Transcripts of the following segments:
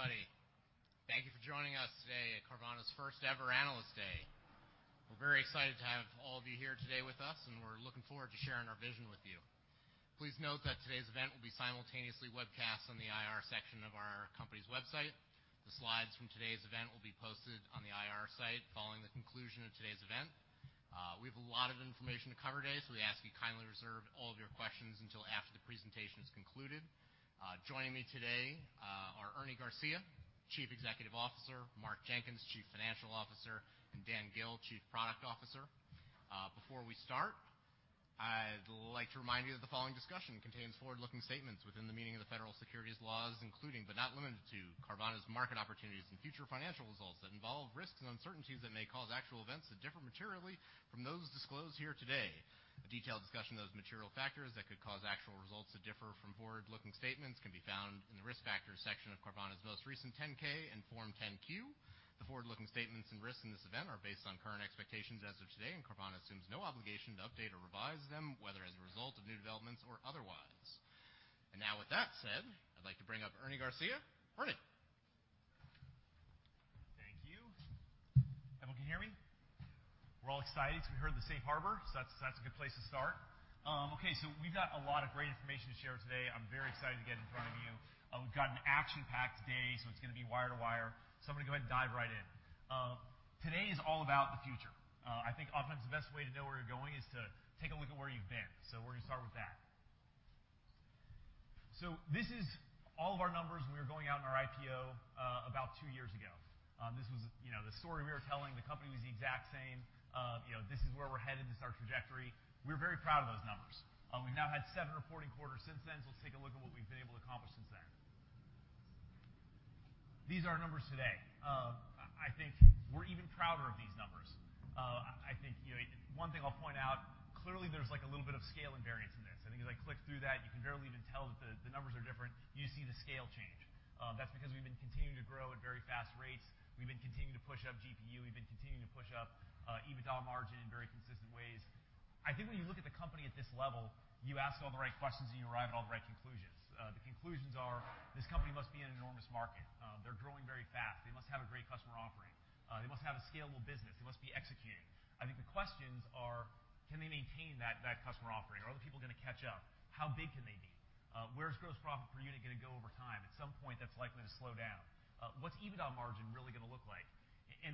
Morning, everybody. Thank you for joining us today at Carvana's first-ever Analyst Day. We're very excited to have all of you here today with us, and we're looking forward to sharing our vision with you. Please note that today's event will be simultaneously webcast on the IR section of our company's website. The slides from today's event will be posted on the IR site following the conclusion of today's event. We have a lot of information to cover today, so we ask you kindly reserve all of your questions until after the presentation is concluded. Joining me today are Ernie Garcia, Chief Executive Officer, Mark Jenkins, Chief Financial Officer, and Dan Gill, Chief Product Officer. Before we start, I'd like to remind you that the following discussion contains forward-looking statements within the meaning of the federal securities laws, including, but not limited to, Carvana's market opportunities and future financial results that involve risks and uncertainties that may cause actual events to differ materially from those disclosed here today. A detailed discussion of those material factors that could cause actual results to differ from forward-looking statements can be found in the Risk Factors section of Carvana's most recent 10-K and Form 10-Q. The forward-looking statements and risks in this event are based on current expectations as of today, and Carvana assumes no obligation to update or revise them, whether as a result of new developments or otherwise. Now with that said, I'd like to bring up Ernie Garcia. Ernie. Thank you. Everyone can hear me? We're all excited because we heard the safe harbor, so that's a good place to start. We've got a lot of great information to share today. I'm very excited to get in front of you. We've got an action-packed day, so it's going to be wire-to-wire. I'm going to go ahead and dive right in. Today is all about the future. I think oftentimes the best way to know where you're going is to take a look at where you've been. We're going to start with that. This is all of our numbers when we were going out in our IPO about two years ago. The story we were telling, the company was the exact same. This is where we're headed. This is our trajectory. We're very proud of those numbers. We've now had seven reporting quarters since then, so let's take a look at what we've been able to accomplish since then. These are our numbers today. I think we're even prouder of these numbers. One thing I'll point out, clearly there's a little bit of scale and variance in this. I think as I click through that, you can barely even tell that the numbers are different, you just see the scale change. That's because we've been continuing to grow at very fast rates. We've been continuing to push up GPU. We've been continuing to push up EBITDA margin in very consistent ways. I think when you look at the company at this level, you ask all the right questions and you arrive at all the right conclusions. The conclusions are, this company must be in an enormous market. They're growing very fast. They must have a great customer offering. They must have a scalable business. They must be executing. I think the questions are, can they maintain that customer offering? Are other people going to catch up? How big can they be? Where's gross profit per unit going to go over time? At some point, that's likely to slow down. What's EBITDA margin really going to look like?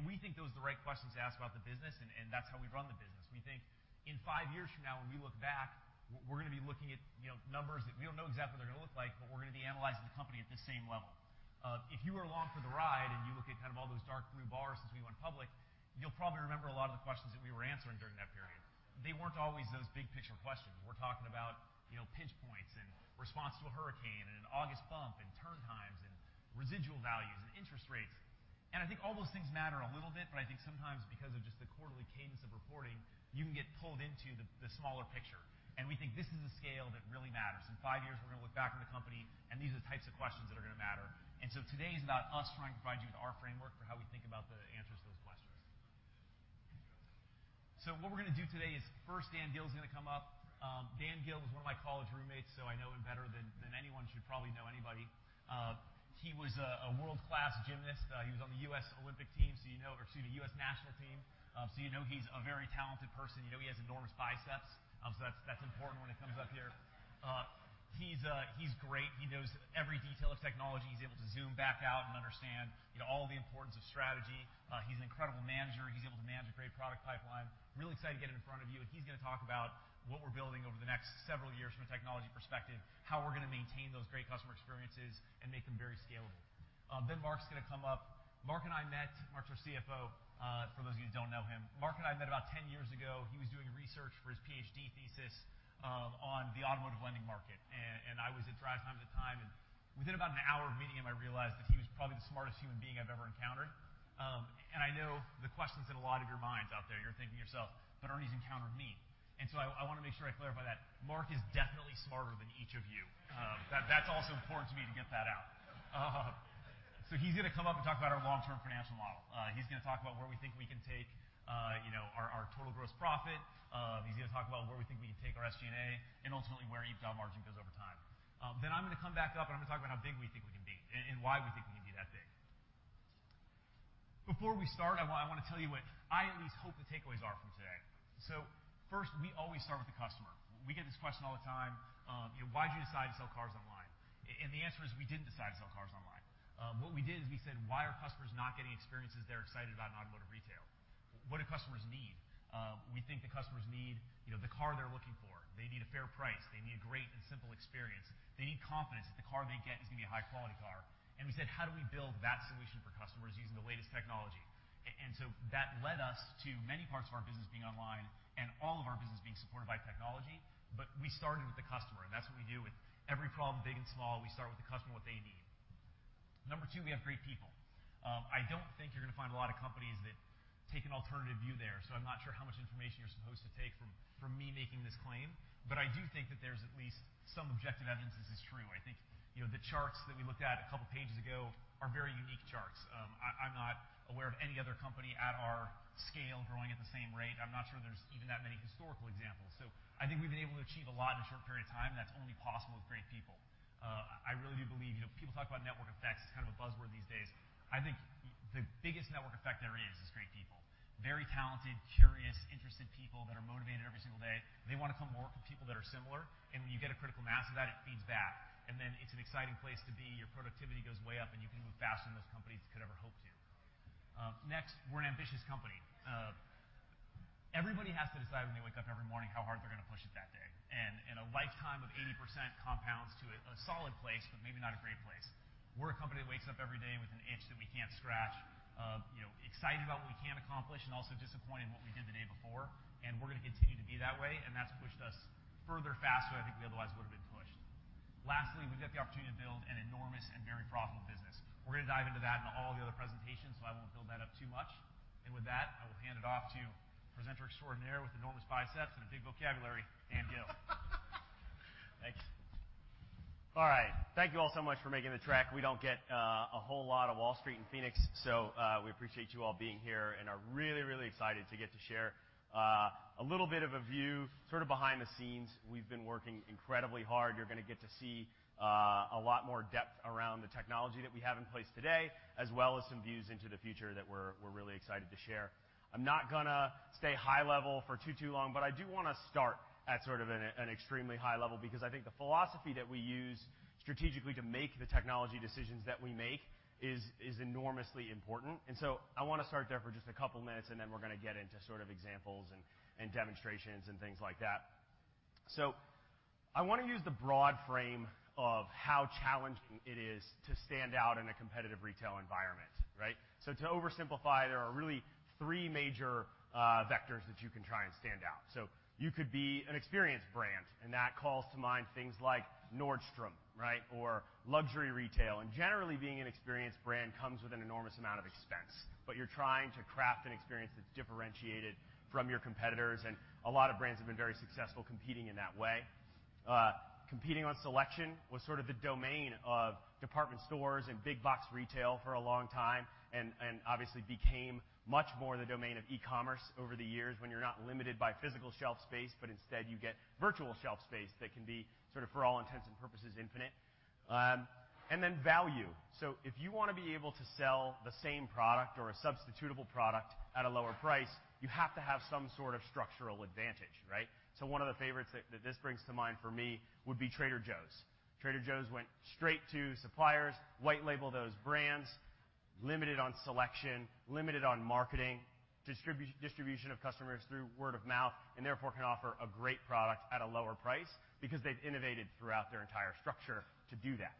We think those are the right questions to ask about the business, and that's how we run the business. We think in five years from now, when we look back, we're going to be looking at numbers that we don't know exactly what they're going to look like, but we're going to be analyzing the company at this same level. If you were along for the ride and you look at kind of all those dark blue bars since we went public, you'll probably remember a lot of the questions that we were answering during that period. They weren't always those big-picture questions. We're talking about pinch points and response to a hurricane and an August bump and turn times and residual values and interest rates. I think all those things matter a little bit, but I think sometimes because of just the quarterly cadence of reporting, you can get pulled into the smaller picture, we think this is the scale that really matters. In five years, we're going to look back on the company and these are the types of questions that are going to matter. Today is about us trying to provide you with our framework for how we think about the answers to those questions. What we're going to do today is first Dan Gill's going to come up. Dan Gill was one of my college roommates, so I know him better than anyone should probably know anybody. He was a world-class gymnast. He was on the U.S. National Team, so you know he's a very talented person. You know he has enormous biceps. That's important when it comes up here. He's great. He knows every detail of technology. He's able to zoom back out and understand all the importance of strategy. He's an incredible manager. He's able to manage a great product pipeline. Really excited to get him in front of you, he's going to talk about what we're building over the next several years from a technology perspective, how we're going to maintain those great customer experiences and make them very scalable. Mark's going to come up. Mark's our CFO, for those of you who don't know him. Mark and I met about 10 years ago. He was doing research for his PhD thesis on the automotive lending market, I was at DriveTime at the time, within about an hour of meeting him, I realized that he was probably the smartest human being I've ever encountered. I know the questions in a lot of your minds out there. You're thinking to yourself, "Ernie's encountered me." I want to make sure I clarify that Mark is definitely smarter than each of you. That's also important to me to get that out. He's going to come up and talk about our long-term financial model. He's going to talk about where we think we can take our total gross profit. He's going to talk about where we think we can take our SG&A, and ultimately, where EBITDA margin goes over time. I'm going to come back up, and I'm going to talk about how big we think we can be and why we think we can be that big. Before we start, I want to tell you what I at least hope the takeaways are from today. First, we always start with the customer. We get this question all the time, "Why'd you decide to sell cars online?" The answer is, we didn't decide to sell cars online. What we did is we said, "Why are customers not getting experiences they're excited about in automotive retail? What do customers need?" We think the customers need the car they're looking for. They need a fair price. They need a great and simple experience. They need confidence that the car they get is going to be a high-quality car. We said, "How do we build that solution for customers using the latest technology?" That led us to many parts of our business being online and all of our business being supported by technology. We started with the customer, and that's what we do with every problem, big and small. We start with the customer and what they need. Number 2, we have great people. I don't think you're going to find a lot of companies that take an alternative view there, I'm not sure how much information you're supposed to take from me making this claim, I do think that there's at least some objective evidence this is true. I think the charts that we looked at a couple of pages ago are very unique charts. I'm not aware of any other company at our scale growing at the same rate. I'm not sure there's even that many historical examples. I think we've been able to achieve a lot in a short period of time, and that's only possible with great people. I really do believe, people talk about network effects as kind of a buzzword these days. I think the biggest network effect there is is great people. Very talented, curious, interested people that are motivated every single day. They want to come work with people that are similar. When you get a critical mass of that, it feeds back, it's an exciting place to be, your productivity goes way up, and you can move faster than those companies could ever hope to. Next, we're an ambitious company. Everybody has to decide when they wake up every morning, how hard they're going to push it that day. A lifetime of 80% compounds to a solid place, maybe not a great place. We're a company that wakes up every day with an itch that we can't scratch, excited about what we can accomplish and also disappointed in what we did the day before, we're going to continue to be that way, that's pushed us further faster than I think we otherwise would've been pushed. Lastly, we get the opportunity to build an enormous and very profitable business. We're going to dive into that in all the other presentations, I won't build that up too much. With that, I will hand it off to presenter extraordinaire with enormous biceps and a big vocabulary, Dan Gill. Thanks. All right. Thank you all so much for making the trek. We don't get a whole lot of Wall Street in Phoenix, so we appreciate you all being here and are really, really excited to get to share a little bit of a view sort of behind the scenes. We've been working incredibly hard. You're going to get to see a lot more depth around the technology that we have in place today, as well as some views into the future that we're really excited to share. I'm not going to stay high level for too long, but I do want to start at sort of an extremely high level because I think the philosophy that we use strategically to make the technology decisions that we make is enormously important. I want to start there for just a couple of minutes, and then we're going to get into sort of examples and demonstrations and things like that. I want to use the broad frame of how challenging it is to stand out in a competitive retail environment. Right? To oversimplify, there are really three major vectors that you can try and stand out. You could be an experience brand, and that calls to mind things like Nordstrom. Right? Luxury retail. Generally, being an experience brand comes with an enormous amount of expense, but you're trying to craft an experience that's differentiated from your competitors, and a lot of brands have been very successful competing in that way. Competing on selection was sort of the domain of department stores and big box retail for a long time, and obviously became much more the domain of e-commerce over the years when you're not limited by physical shelf space, but instead you get virtual shelf space that can be sort of, for all intents and purposes, infinite. Then value. If you want to be able to sell the same product or a substitutable product at a lower price, you have to have some sort of structural advantage, right? One of the favorites that this brings to mind for me would be Trader Joe's. Trader Joe's went straight to suppliers, white label those brands, limited on selection, limited on marketing, distribution of customers through word of mouth, and therefore can offer a great product at a lower price because they've innovated throughout their entire structure to do that.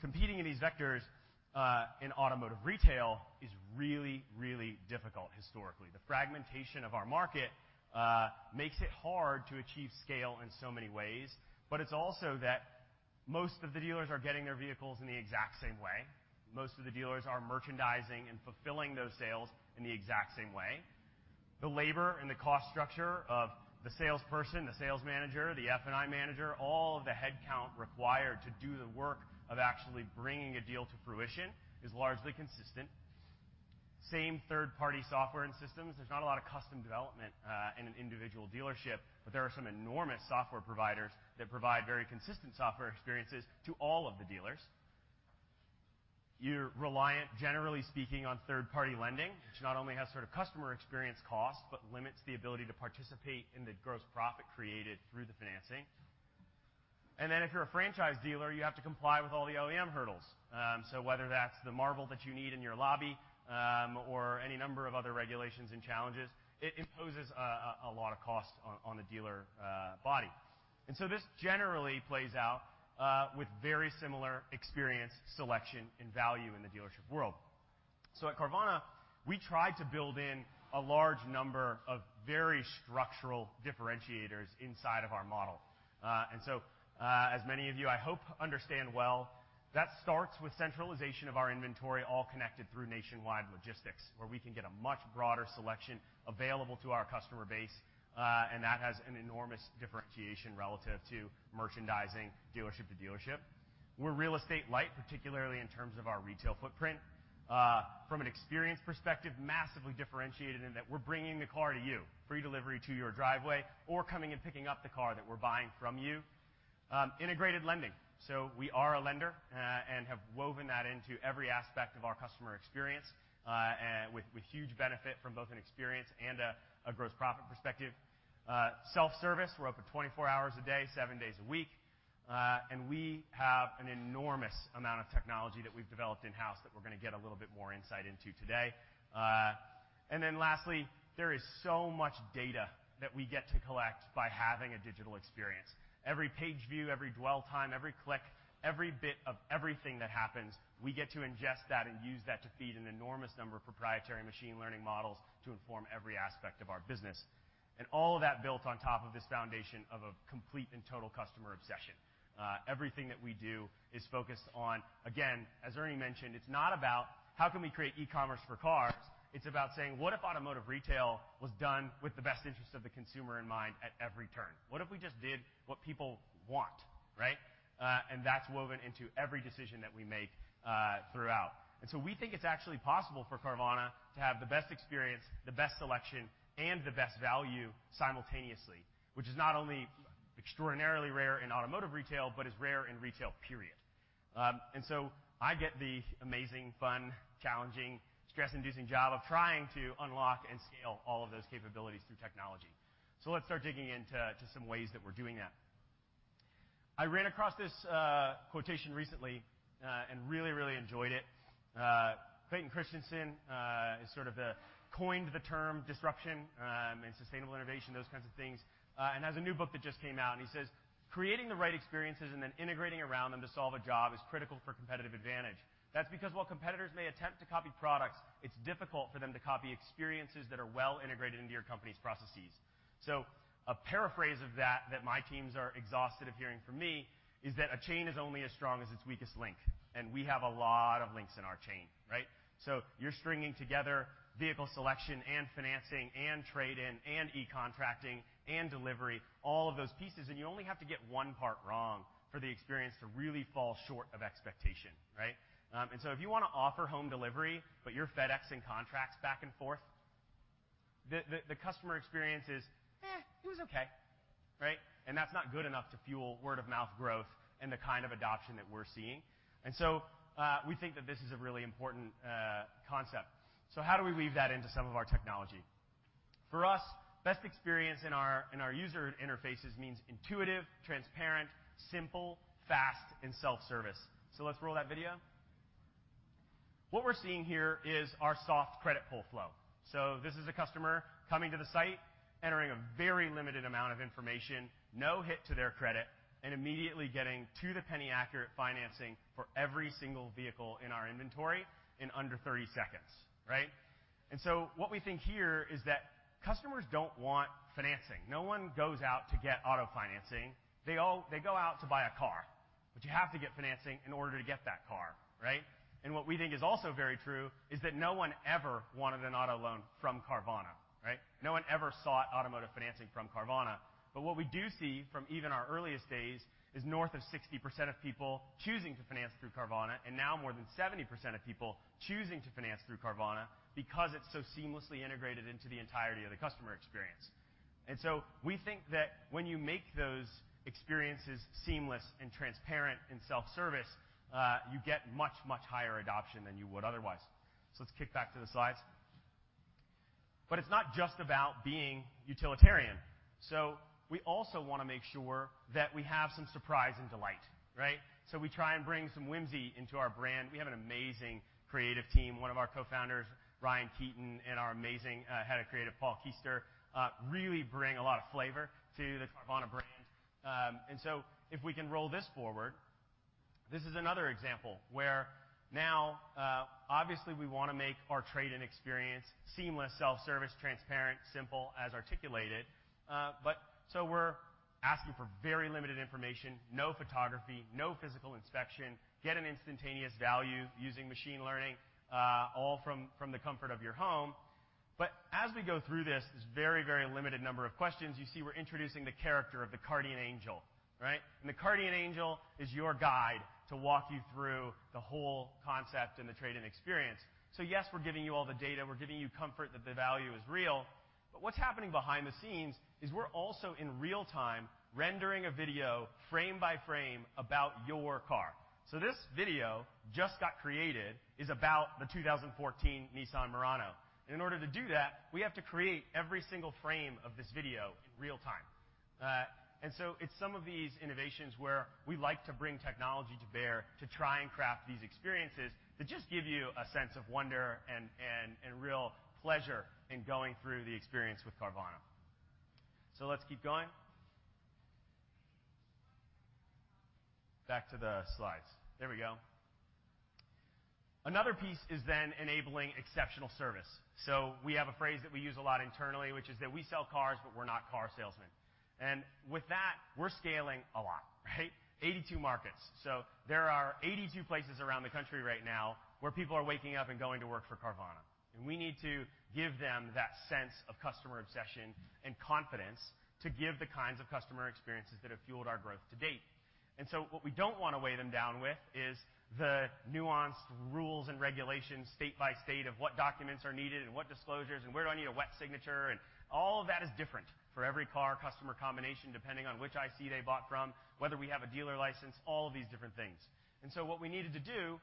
Competing in these vectors, in automotive retail is really, really difficult historically. The fragmentation of our market makes it hard to achieve scale in so many ways, but it's also that most of the dealers are getting their vehicles in the exact same way. Most of the dealers are merchandising and fulfilling those sales in the exact same way. The labor and the cost structure of the salesperson, the sales manager, the F&I manager, all of the headcount required to do the work of actually bringing a deal to fruition is largely consistent. Same third-party software and systems. There's not a lot of custom development in an individual dealership, but there are some enormous software providers that provide very consistent software experiences to all of the dealers. You're reliant, generally speaking, on third-party lending, which not only has sort of customer experience costs, but limits the ability to participate in the gross profit created through the financing. If you're a franchise dealer, you have to comply with all the OEM hurdles. Whether that's the marble that you need in your lobby, or any number of other regulations and challenges, it imposes a lot of cost on the dealer body. This generally plays out with very similar experience, selection, and value in the dealership world. At Carvana, we try to build in a large number of very structural differentiators inside of our model. As many of you, I hope, understand well, that starts with centralization of our inventory all connected through nationwide logistics, where we can get a much broader selection available to our customer base. That has an enormous differentiation relative to merchandising dealership to dealership. We're real estate light, particularly in terms of our retail footprint. From an experience perspective, massively differentiated in that we're bringing the car to you, free delivery to your driveway, or coming and picking up the car that we're buying from you. Integrated lending. We are a lender, and have woven that into every aspect of our customer experience, with huge benefit from both an experience and a gross profit perspective. Self-service. We're open 24 hours a day, seven days a week. We have an enormous amount of technology that we've developed in-house that we're going to get a little bit more insight into today. Lastly, there is so much data that we get to collect by having a digital experience. Every page view, every dwell time, every click, every bit of everything that happens, we get to ingest that and use that to feed an enormous number of proprietary machine learning models to inform every aspect of our business. All of that built on top of this foundation of a complete and total customer obsession. Everything that we do is focused on, again, as Ernie mentioned, it's not about how can we create e-commerce for cars, it's about saying, what if automotive retail was done with the best interest of the consumer in mind at every turn? What if we just did what people want? Right? That's woven into every decision that we make throughout. We think it's actually possible for Carvana to have the best experience, the best selection, and the best value simultaneously, which is not only extraordinarily rare in automotive retail, but is rare in retail, period. I get the amazing, fun, challenging, stress-inducing job of trying to unlock and scale all of those capabilities through technology. Let's start digging into some ways that we're doing that. I ran across this quotation recently and really, really enjoyed it. Clayton Christensen coined the term disruption and sustainable innovation, those kinds of things, and has a new book that just came out, and he says, "Creating the right experiences and then integrating around them to solve a job is critical for competitive advantage. That's because while competitors may attempt to copy products, it's difficult for them to copy experiences that are well integrated into your company's processes." A paraphrase of that that my teams are exhausted of hearing from me is that a chain is only as strong as its weakest link, and we have a lot of links in our chain, right? You're stringing together vehicle selection and financing and trade-in and e-contracting and delivery, all of those pieces, and you only have to get one part wrong for the experience to really fall short of expectation, right? If you want to offer home delivery, but you're FedExing contracts back and forth, the customer experience is, "Eh, it was okay," right? That's not good enough to fuel word-of-mouth growth and the kind of adoption that we're seeing. We think that this is a really important concept. How do we weave that into some of our technology? For us, the best experience in our user interfaces means intuitive, transparent, simple, fast, and self-service. Let's roll that video. What we're seeing here is our soft credit pull flow. This is a customer coming to the site, entering a very limited amount of information, no hit to their credit, and immediately getting to-the-penny-accurate financing for every single vehicle in our inventory in under 30 seconds. Right? What we think here is that customers don't want financing. No one goes out to get auto financing. They go out to buy a car, but you have to get financing in order to get that car, right? What we think is also very true is that no one ever wanted an auto loan from Carvana, right? No one ever sought automotive financing from Carvana. What we do see from even our earliest days is north of 60% of people choosing to finance through Carvana, and now more than 70% of people choosing to finance through Carvana because it's so seamlessly integrated into the entirety of the customer experience. We think that when you make those experiences seamless and transparent and self-service, you get much, much higher adoption than you would otherwise. Let's kick back to the slides. It's not just about being utilitarian. We also want to make sure that we have some surprise and delight, right? We try and bring some whimsy into our brand. We have an amazing creative team. One of our co-founders, Ryan Keeton, and our amazing head of creative, Paul Keister, really bring a lot of flavor to the Carvana brand. If we can roll this forward, this is another example where now, obviously, we want to make our trade-in experience seamless, self-service, transparent, simple, as articulated. We're asking for very limited information, no photography, no physical inspection, get an instantaneous value using machine learning, all from the comfort of your home. As we go through this very, very limited number of questions, you see we're introducing the character of the Cardian Angel, right? The Cardian Angel is your guide to walk you through the whole concept and the trade-in experience. Yes, we're giving you all the data. We're giving you comfort that the value is real. What's happening behind the scenes is we're also in real-time rendering a video frame by frame about your car. This video that just got created is about the 2014 Nissan Murano. In order to do that, we have to create every single frame of this video in real-time. It's some of these innovations where we like to bring technology to bear to try and craft these experiences that just give you a sense of wonder and real pleasure in going through the experience with Carvana. Let's keep going. Back to the slides. There we go. Another piece is enabling exceptional service. We have a phrase that we use a lot internally, which is that we sell cars, but we're not car salesmen. With that, we're scaling a lot, right? 82 markets. There are 82 places around the country right now where people are waking up and going to work for Carvana. We need to give them that sense of customer obsession and confidence to give the kinds of customer experiences that have fueled our growth to date. What we don't want to weigh them down with is the nuanced rules and regulations state by state of what documents are needed and what disclosures, and where do I need a wet signature, and all of that is different for every car-customer combination, depending on which IC they bought from, whether we have a dealer license, all of these different things. What we needed to do,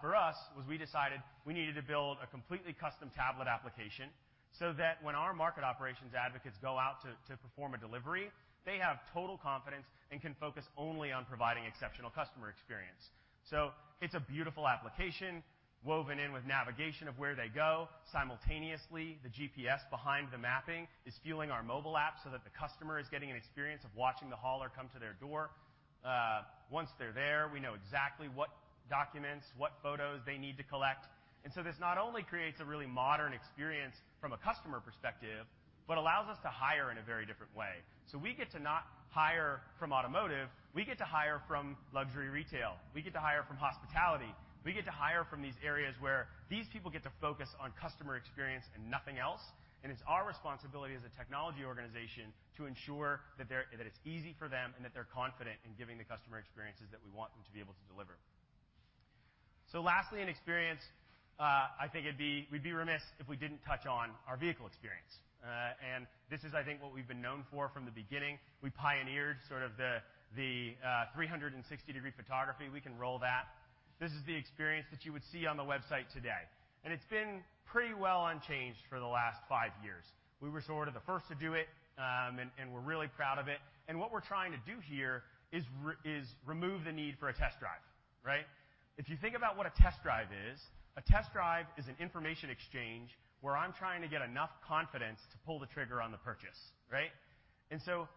for us, was we decided we needed to build a completely custom tablet application so that when our market operations advocates go out to perform a delivery, they have total confidence and can focus only on providing exceptional customer experience. It's a beautiful application woven in with navigation of where they go. Simultaneously, the GPS behind the mapping is fueling our mobile app so that the customer is getting an experience of watching the hauler come to their door. Once they're there, we know exactly what documents, what photos they need to collect. This not only creates a really modern experience from a customer perspective but allows us to hire in a very different way. We get to not hire from automotive, we get to hire from luxury retail, we get to hire from hospitality. We get to hire from these areas where these people get to focus on customer experience and nothing else. It's our responsibility as a technology organization to ensure that it's easy for them and that they're confident in giving the customer experiences that we want them to be able to deliver. Lastly in experience, I think we'd be remiss if we didn't touch on our vehicle experience. This is, I think, what we've been known for from the beginning. We pioneered sort of the 360-degree photography. We can roll that. This is the experience that you would see on the website today, and it's been pretty well unchanged for the last five years. We were sort of the first to do it, and we're really proud of it. What we're trying to do here is remove the need for a test drive. If you think about what a test drive is, a test drive is an information exchange where I'm trying to get enough confidence to pull the trigger on the purchase.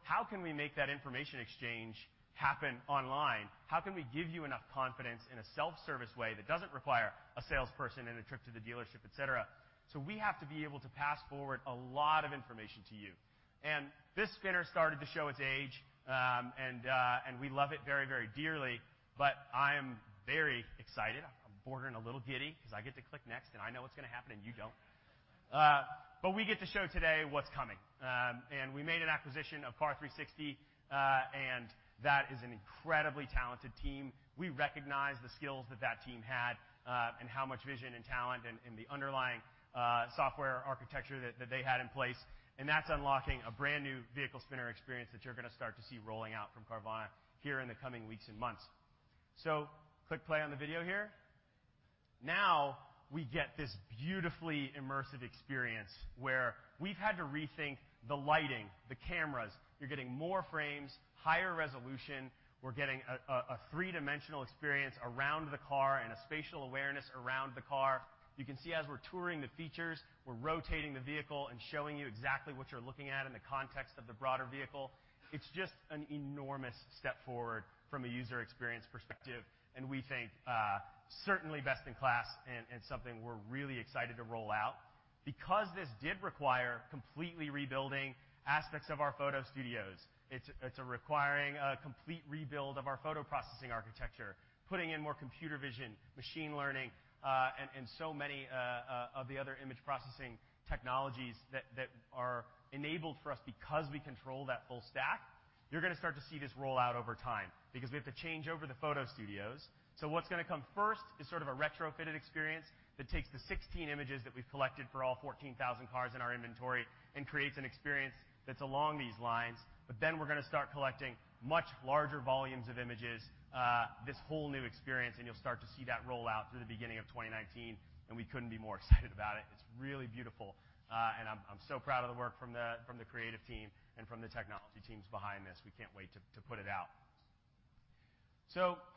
How can we make that information exchange happen online? How can we give you enough confidence in a self-service way that doesn't require a salesperson and a trip to the dealership, et cetera? We have to be able to pass forward a lot of information to you. This spinner started to show its age, and we love it very dearly. I'm very excited. I'm bordering a little giddy because I get to click next, and I know what's going to happen and you don't. We get to show today what's coming. We made an acquisition of Car360, and that is an incredibly talented team. We recognize the skills that that team had, and how much vision and talent and the underlying software architecture that they had in place. That's unlocking a brand-new vehicle spinner experience that you're going to start to see rolling out from Carvana here in the coming weeks and months. Click play on the video here. Now we get this beautifully immersive experience where we've had to rethink the lighting, the cameras. You're getting more frames, higher resolution. We're getting a three-dimensional experience around the car and a spatial awareness around the car. You can see as we're touring the features, we're rotating the vehicle and showing you exactly what you're looking at in the context of the broader vehicle. It's just an enormous step forward from a user experience perspective, and we think certainly best in class and something we're really excited to roll out. Because this did require completely rebuilding aspects of our photo studios, it's requiring a complete rebuild of our photo processing architecture, putting in more computer vision, machine learning, and so many of the other image processing technologies that are enabled for us because we control that full stack. You're going to start to see this roll out over time because we have to change over the photo studios. What's going to come first is sort of a retrofitted experience that takes the 16 images that we've collected for all 14,000 cars in our inventory and creates an experience that's along these lines. We're going to start collecting much larger volumes of images, this whole new experience, and you'll start to see that roll out through the beginning of 2019. We couldn't be more excited about it. It's really beautiful. I'm so proud of the work from the creative team and from the technology teams behind this. We can't wait to put it out.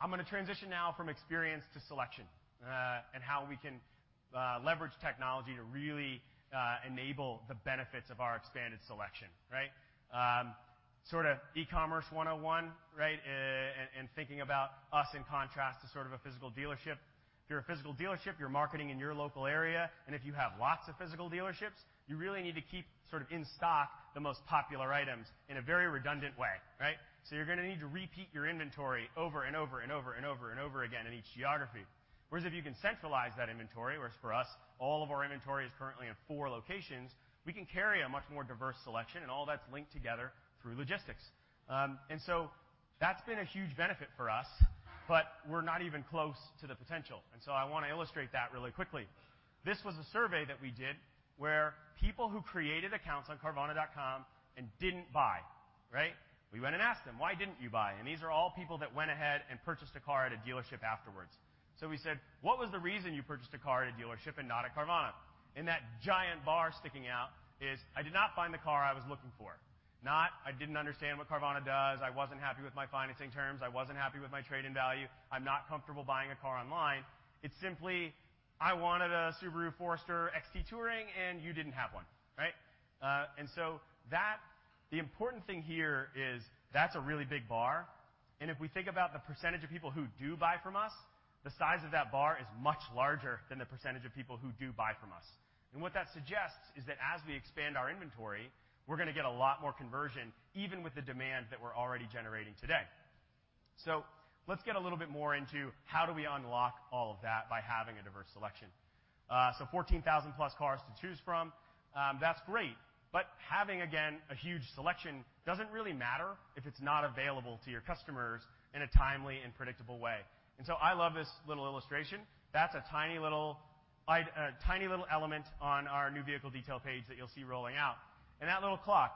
I'm going to transition now from experience to selection, and how we can leverage technology to really enable the benefits of our expanded selection. Sort of e-commerce 101, and thinking about us in contrast to sort of a physical dealership. If you're a physical dealership, you're marketing in your local area, and if you have lots of physical dealerships, you really need to keep sort of in stock the most popular items in a very redundant way. You're going to need to repeat your inventory over and over again in each geography. Whereas if you can centralize that inventory, whereas for us, all of our inventory is currently in 4 locations, we can carry a much more diverse selection, and all that's linked together through logistics. That's been a huge benefit for us, but we're not even close to the potential. I want to illustrate that really quickly. This was a survey that we did where people who created accounts on carvana.com and didn't buy. We went and asked them, "Why didn't you buy?" These are all people that went ahead and purchased a car at a dealership afterwards. We said, "What was the reason you purchased a car at a dealership and not at Carvana?" That giant bar sticking out is, "I did not find the car I was looking for." Not, "I didn't understand what Carvana does. I wasn't happy with my financing terms. I wasn't happy with my trade-in value. I'm not comfortable buying a car online." It's simply, "I wanted a Subaru Forester XT Touring, and you didn't have one." The important thing here is that's a really big bar, and if we think about the percentage of people who do buy from us, the size of that bar is much larger than the percentage of people who do buy from us. What that suggests is that as we expand our inventory, we're going to get a lot more conversion, even with the demand that we're already generating today. Let's get a little bit more into how do we unlock all of that by having a diverse selection. 14,000+ cars to choose from, that's great, but having, again, a huge selection doesn't really matter if it's not available to your customers in a timely and predictable way. I love this little illustration. That's a tiny little element on our new vehicle detail page that you'll see rolling out. That little clock,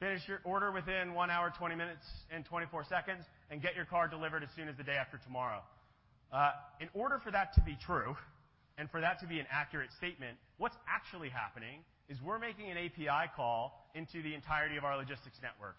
finish your order within one hour, 20 minutes and 24 seconds, and get your car delivered as soon as the day after tomorrow. In order for that to be true and for that to be an accurate statement, what's actually happening is we're making an API call into the entirety of our logistics network.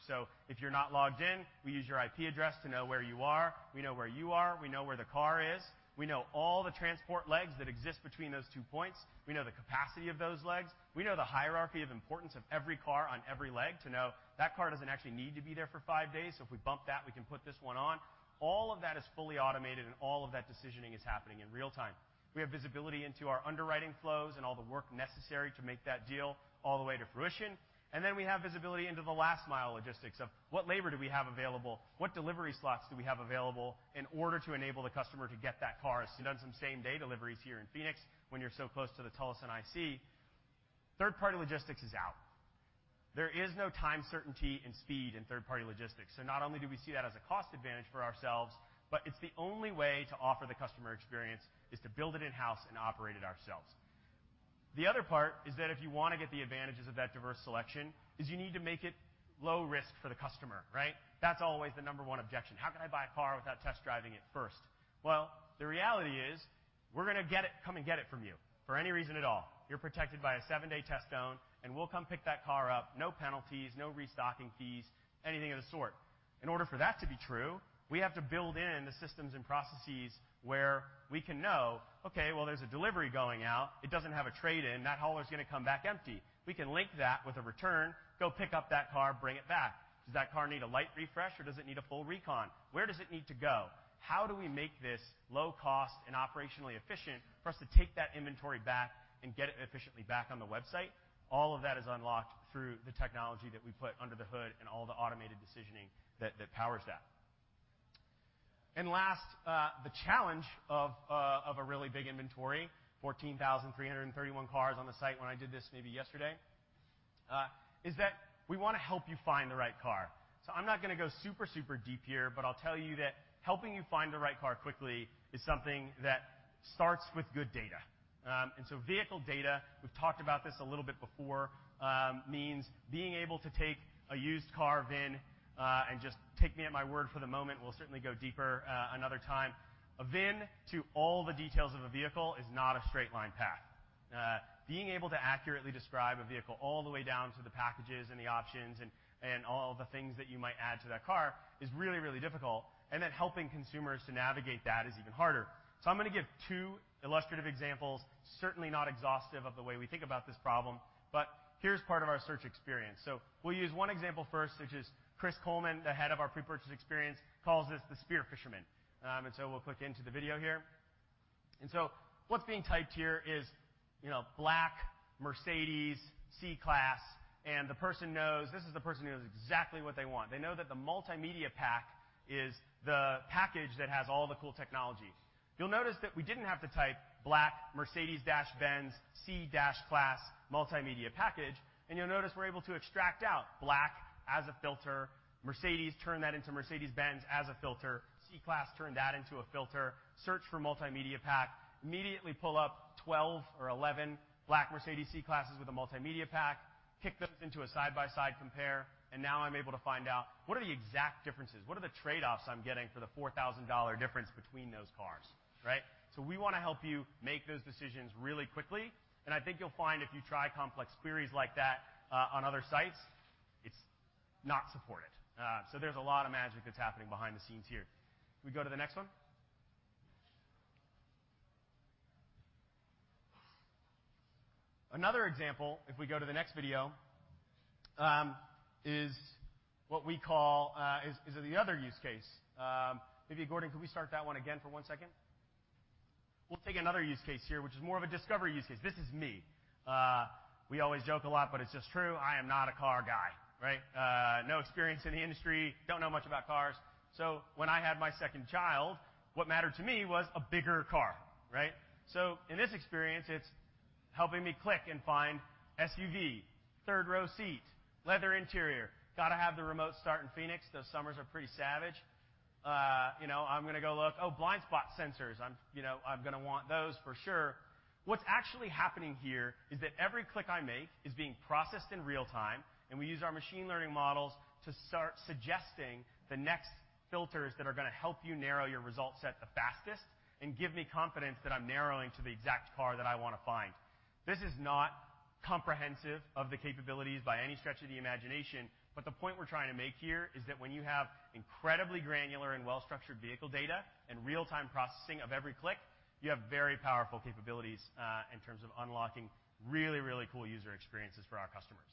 If you're not logged in, we use your IP address to know where you are. We know where you are. We know where the car is. We know all the transport legs that exist between those two points. We know the capacity of those legs. We know the hierarchy of importance of every car on every leg to know that car doesn't actually need to be there for five days, if we bump that, we can put this one on. All of that is fully automated, all of that decisioning is happening in real-time. We have visibility into our underwriting flows and all the work necessary to make that deal all the way to fruition. Then we have visibility into the last mile logistics of what labor do we have available, what delivery slots do we have available in order to enable the customer to get that car. Done some same-day deliveries here in Phoenix when you're so close to the Tucson IC. Third-party logistics is out there. There is no time certainty in speed in third-party logistics. Not only do we see that as a cost advantage for ourselves, but it's the only way to offer the customer experience is to build it in-house and operate it ourselves. The other part is that if you want to get the advantages of that diverse selection is you need to make it low risk for the customer, right? That's always the number one objection. How can I buy a car without test driving it first? Well, the reality is we're going to come and get it from you for any reason at all. You're protected by a seven-day test own, we'll come pick that car up, no penalties, no restocking fees, anything of the sort. In order for that to be true, we have to build in the systems and processes where we can know, okay, well, there's a delivery going out. It doesn't have a trade-in. That hauler's going to come back empty. We can link that with a return, go pick up that car, bring it back. Does that car need a light refresh, or does it need a full recon? Where does it need to go? How do we make this low cost and operationally efficient for us to take that inventory back and get it efficiently back on the website? All of that is unlocked through the technology that we put under the hood and all the automated decisioning that powers that. Last, the challenge of a really big inventory, 14,331 cars on the site when I did this maybe yesterday, is that we want to help you find the right car. I'm not going to go super deep here, but I'll tell you that helping you find the right car quickly is something that starts with good data. Vehicle data, we've talked about this a little bit before, means being able to take a used car VIN and just take me at my word for the moment, we'll certainly go deeper another time. A VIN to all the details of a vehicle is not a straight line path. Being able to accurately describe a vehicle all the way down to the packages and the options and all the things that you might add to that car is really, really difficult, then helping consumers to navigate that is even harder. I'm going to give two illustrative examples, certainly not exhaustive of the way we think about this problem, but here's part of our search experience. We'll use one example first, which is Chris Coleman, the head of our pre-purchase experience, calls this the spear fisherman. We'll click into the video here. What's being typed here is black Mercedes C-Class, this is the person who knows exactly what they want. They know that the multimedia pack is the package that has all the cool technology. You'll notice that we didn't have to type black Mercedes-Benz C-Class multimedia package. You'll notice we're able to extract out black as a filter, Mercedes, turn that into Mercedes-Benz as a filter, C-Class, turn that into a filter, search for multimedia pack, immediately pull up 12 or 11 black Mercedes C-Classes with a multimedia pack, kick those into a side-by-side compare. Now I'm able to find out what are the exact differences? What are the trade-offs I'm getting for the $4,000 difference between those cars, right? We want to help you make those decisions really quickly. I think you'll find if you try complex queries like that on other sites, it's not supported. There's a lot of magic that's happening behind the scenes here. Can we go to the next one? Another example, if we go to the next video, is what we call the other use case. Maybe, Gordon, can we start that one again for one second? We'll take another use case here, which is more of a discovery use case. This is me. We always joke a lot, but it's just true. I am not a car guy, right? No experience in the industry, don't know much about cars. When I had my second child, what mattered to me was a bigger car, right? In this experience, it's helping me click and find SUV, third-row seat, leather interior, got to have the remote start in Phoenix. Those summers are pretty savage. I'm going to go look. Oh, blind spot sensors. I'm going to want those for sure. What's actually happening here is that every click I make is being processed in real-time. We use our machine learning models to start suggesting the next filters that are going to help you narrow your result set the fastest and give me confidence that I'm narrowing to the exact car that I want to find. This is not comprehensive of the capabilities by any stretch of the imagination, the point we're trying to make here is that when you have incredibly granular and well-structured vehicle data, real-time processing of every click, you have very powerful capabilities in terms of unlocking really, really cool user experiences for our customers.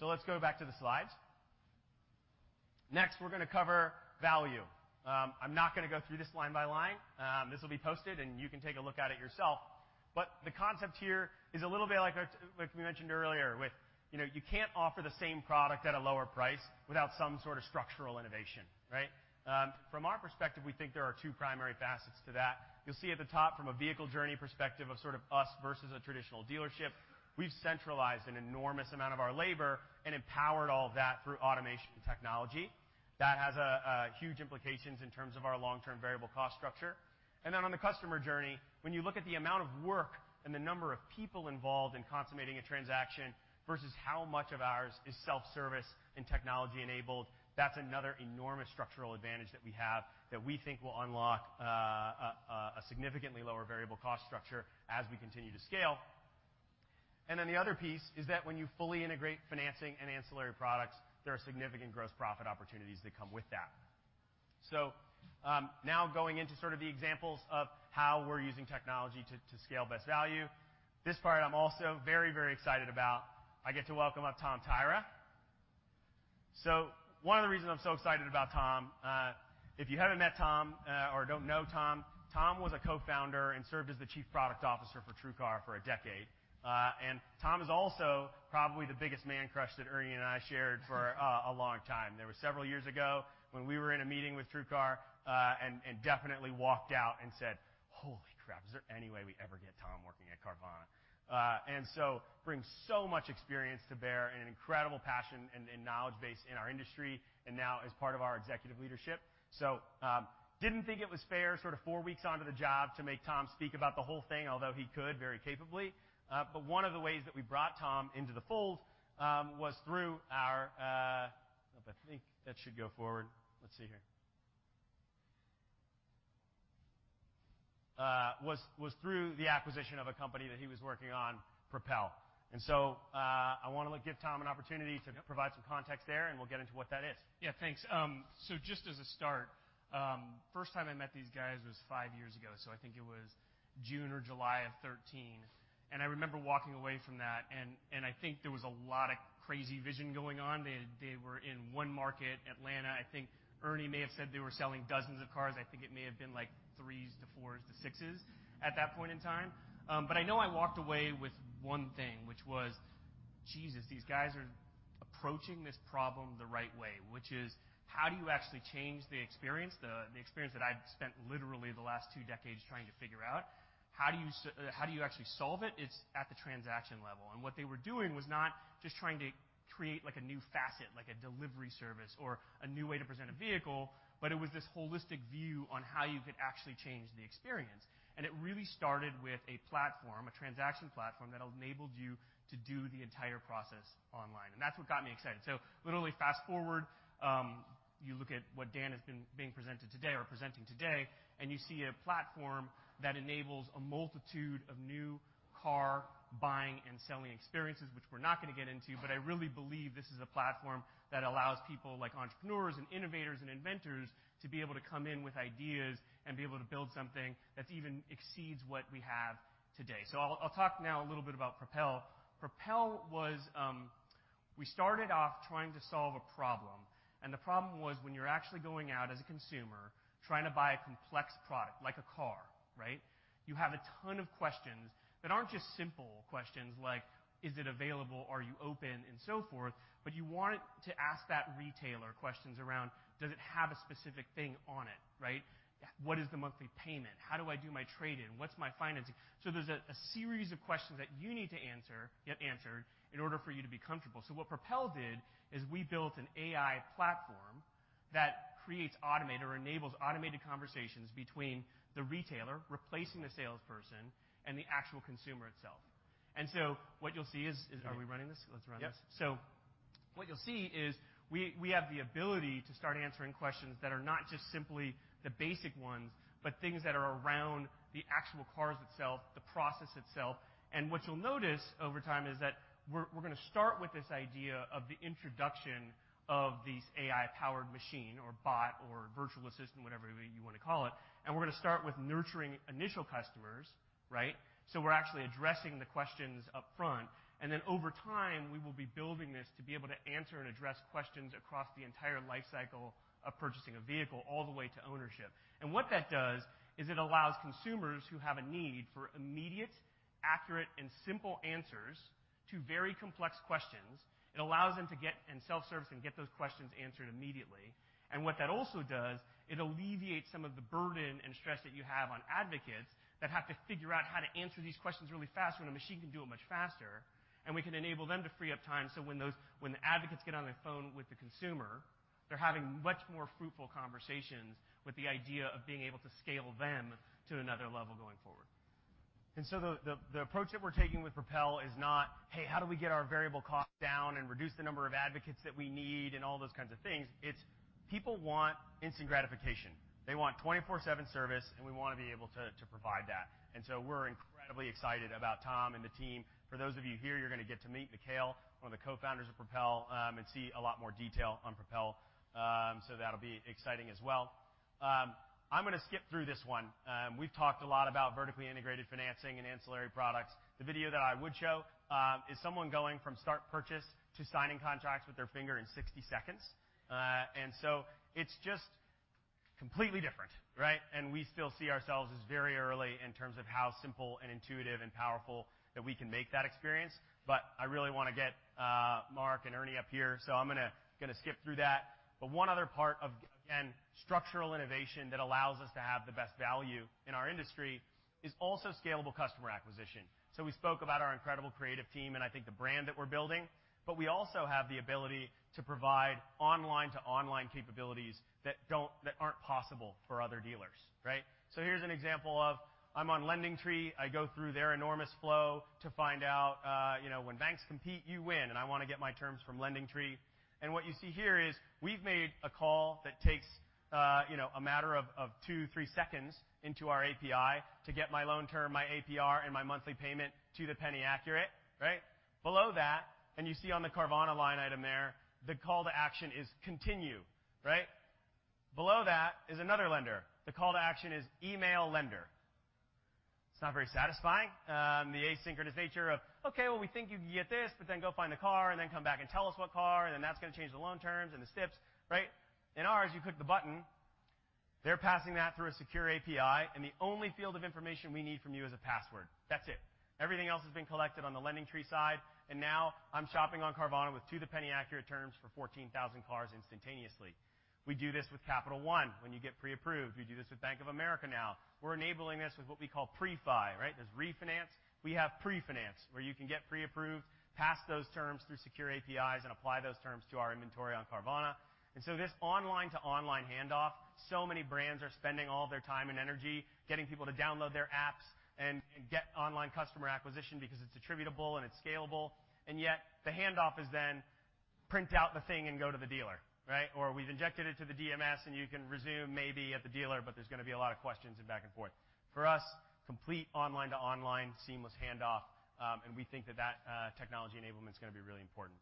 Let's go back to the slides. Next, we're going to cover value. I'm not going to go through this line by line. This will be posted, you can take a look at it yourself. The concept here is a little bit like we mentioned earlier with you can't offer the same product at a lower price without some sort of structural innovation, right? From our perspective, we think there are two primary facets to that. You'll see at the top from a vehicle journey perspective of sort of us versus a traditional dealership, we've centralized an enormous amount of our labor and empowered all of that through automation and technology. That has huge implications in terms of our long-term variable cost structure. On the customer journey, when you look at the amount of work and the number of people involved in consummating a transaction versus how much of ours is self-service and technology-enabled, that's another enormous structural advantage that we have that we think will unlock a significantly lower variable cost structure as we continue to scale. The other piece is that when you fully integrate financing and ancillary products, there are significant gross profit opportunities that come with that. Now going into sort of the examples of how we're using technology to scale best value. This part I'm also very, very excited about. I get to welcome up Tom Taira. One of the reasons I'm so excited about Tom, if you haven't met Tom or don't know Tom was a co-founder and served as the Chief Product Officer for TrueCar for a decade. Tom is also probably the biggest man crush that Ernie and I shared for a long time. There were several years ago when we were in a meeting with TrueCar, and definitely walked out and said, "Holy crap, is there any way we ever get" Brings so much experience to bear and an incredible passion and knowledge base in our industry, and now as part of our executive leadership. Didn't think it was fair four weeks onto the job to make Tom speak about the whole thing, although he could very capably. One of the ways that we brought Tom into the fold was through the acquisition of a company that he was working on, Propel. I want to give Tom an opportunity to provide some context there, and we'll get into what that is. Yeah, thanks. Just as a start, first time I met these guys was five years ago. I think it was June or July of 2013. I remember walking away from that, and I think there was a lot of crazy vision going on. They were in one market, Atlanta. I think Ernie may have said they were selling dozens of cars. I think it may have been like threes to fours to sixes at that point in time. I know I walked away with one thing, which was, Jesus, these guys are approaching this problem the right way, which is how do you actually change the experience, the experience that I've spent literally the last two decades trying to figure out. How do you actually solve it? It's at the transaction level. What they were doing was not just trying to create a new facet, like a delivery service or a new way to present a vehicle, but it was this holistic view on how you could actually change the experience. It really started with a platform, a transaction platform that enabled you to do the entire process online. That's what got me excited. Literally fast-forward, you look at what Dan has been being presented today or presenting today, and you see a platform that enables a multitude of new car buying and selling experiences, which we're not going to get into, but I really believe this is a platform that allows people like entrepreneurs and innovators and inventors to be able to come in with ideas and be able to build something that even exceeds what we have today. I'll talk now a little bit about Propel. We started off trying to solve a problem, and the problem was when you're actually going out as a consumer trying to buy a complex product like a car, you have a ton of questions that aren't just simple questions like, "Is it available?" "Are you open?" and so forth. You want to ask that retailer questions around does it have a specific thing on it, right? What is the monthly payment? How do I do my trade-in? What's my financing? There's a series of questions that you need to get answered in order for you to be comfortable. What Propel did is we built an AI platform that creates automated or enables automated conversations between the retailer replacing the salesperson and the actual consumer itself. Are we running this? Let's run this. Yep. What you'll see is we have the ability to start answering questions that are not just simply the basic ones, but things that are around the actual cars itself, the process itself. What you'll notice over time is that we're going to start with this idea of the introduction of these AI-powered machine or bot or virtual assistant, whatever you want to call it. We're going to start with nurturing initial customers. We're actually addressing the questions up front. Then over time, we will be building this to be able to answer and address questions across the entire life cycle of purchasing a vehicle all the way to ownership. What that does is it allows consumers who have a need for immediate, accurate, and simple answers to very complex questions. It allows them to get in self-service and get those questions answered immediately. What that also does, it alleviates some of the burden and stress that you have on advocates that have to figure out how to answer these questions really fast when a machine can do it much faster, and we can enable them to free up time, so when the advocates get on the phone with the consumer, they are having much more fruitful conversations with the idea of being able to scale them to another level going forward. The approach that we are taking with Propel is not, hey, how do we get our variable cost down and reduce the number of advocates that we need and all those kinds of things. It is people want instant gratification. They want 24/7 service, and we want to be able to provide that. We are incredibly excited about Tom and the team. For those of you here, you are going to get to meet Mikhail, one of the co-founders of Propel, and see a lot more detail on Propel. That will be exciting as well. I am going to skip through this one. We have talked a lot about vertically integrated financing and ancillary products. The video that I would show is someone going from start purchase to signing contracts with their finger in 60 seconds. It is just completely different, right? We still see ourselves as very early in terms of how simple and intuitive and powerful that we can make that experience. I really want to get Mark and Ernie up here, so I am going to skip through that. One other part of, again, structural innovation that allows us to have the best value in our industry is also scalable customer acquisition. We spoke about our incredible creative team and I think the brand that we are building, but we also have the ability to provide online-to-online capabilities that are not possible for other dealers, right? Here is an example of I am on LendingTree, I go through their enormous flow to find out when banks compete, you win, and I want to get my terms from LendingTree. What you see here is we have made a call that takes a matter of two, three seconds into our API to get my loan term, my APR, and my monthly payment to the penny accurate. Below that, and you see on the Carvana line item there, the call to action is Continue. Below that is another lender. The call to action is Email Lender. It is not very satisfying. The asynchronous nature of, okay, well, we think you can get this, but then go find the car and then come back and tell us what car, and then that is going to change the loan terms and the steps. In ours, you click the button. They are passing that through a secure API, and the only field of information we need from you is a password. That is it. Everything else has been collected on the LendingTree side. Now I'm shopping on Carvana with to-the-penny-accurate terms for 14,000 cars instantaneously. We do this with Capital One when you get pre-approved. We do this with Bank of America now. We're enabling this with what we call Pre-Fi, right? There's refinance, we have pre-finance, where you can get pre-approved, pass those terms through secure APIs, and apply those terms to our inventory on Carvana. This online-to-online handoff, so many brands are spending all their time and energy getting people to download their apps and get online customer acquisition because it's attributable and it's scalable, yet the handoff is then print out the thing and go to the dealer, right? Or we've injected it to the DMS and you can resume maybe at the dealer, but there's going to be a lot of questions and back and forth. For us, complete online-to-online seamless handoff. We think that technology enablement's going to be really important.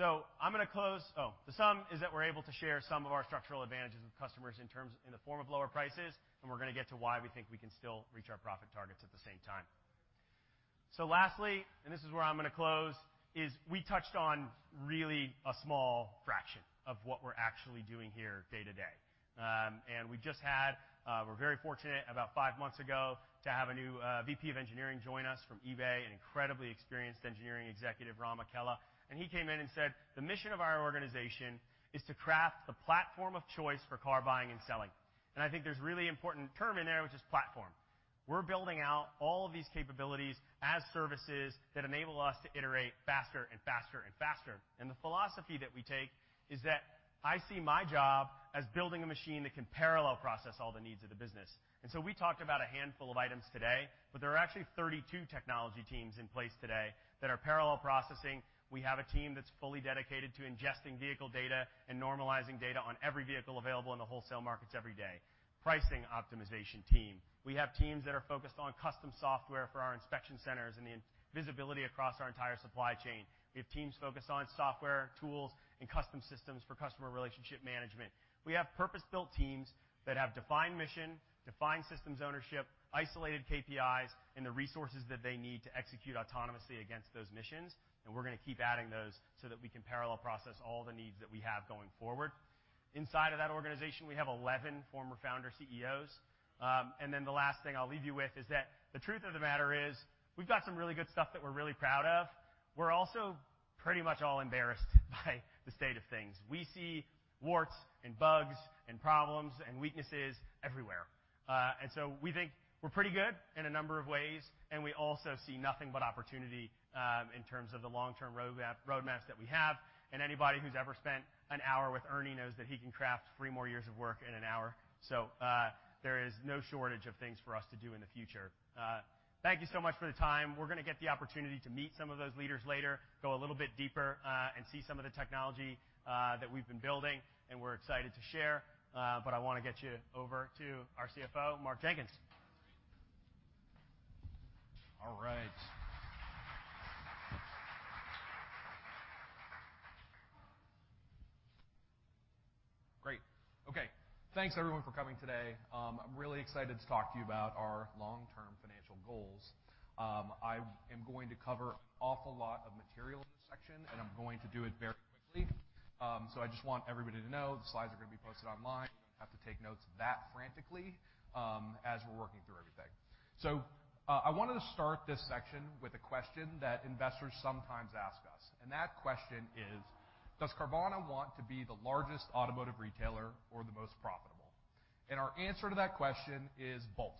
The sum is that we're able to share some of our structural advantages with customers in the form of lower prices. We're going to get to why we think we can still reach our profit targets at the same time. We touched on really a small fraction of what we're actually doing here day to day. We're very fortunate about five months ago to have a new VP of Engineering join us from eBay, an incredibly experienced engineering executive, Ram Akella. He came in and said, "The mission of our organization is to craft the platform of choice for car buying and selling." I think there's a really important term in there, which is platform. We're building out all of these capabilities as services that enable us to iterate faster and faster and faster. The philosophy that we take is that I see my job as building a machine that can parallel process all the needs of the business. We talked about a handful of items today, but there are actually 32 technology teams in place today that are parallel processing. We have a team that's fully dedicated to ingesting vehicle data and normalizing data on every vehicle available in the wholesale markets every day. Pricing optimization team. We have teams that are focused on custom software for our inspection centers and the visibility across our entire supply chain. We have teams focused on software tools and custom systems for customer relationship management. We have purpose-built teams that have defined mission, defined systems ownership, isolated KPIs, and the resources that they need to execute autonomously against those missions. We're going to keep adding those so that we can parallel process all the needs that we have going forward. Inside of that organization, we have 11 former founder CEOs. The last thing I'll leave you with is that the truth of the matter is we've got some really good stuff that we're really proud of. We're also pretty much all embarrassed by the state of things. We see warts and bugs and problems and weaknesses everywhere. We think we're pretty good in a number of ways, and we also see nothing but opportunity, in terms of the long-term roadmaps that we have. Anybody who's ever spent an hour with Ernie knows that he can craft three more years of work in an hour. There is no shortage of things for us to do in the future. Thank you so much for the time. We're going to get the opportunity to meet some of those leaders later, go a little bit deeper, and see some of the technology that we've been building and we're excited to share. I want to get you over to our CFO, Mark Jenkins. All right. Great. Okay. Thanks, everyone, for coming today. I'm really excited to talk to you about our long-term financial goals. I am going to cover an awful lot of material in this section, and I'm going to do it very quickly. I just want everybody to know the slides are going to be posted online. You don't have to take notes that frantically as we're working through everything. I wanted to start this section with a question that investors sometimes ask us. That question is: Does Carvana want to be the largest automotive retailer or the most profitable? Our answer to that question is both.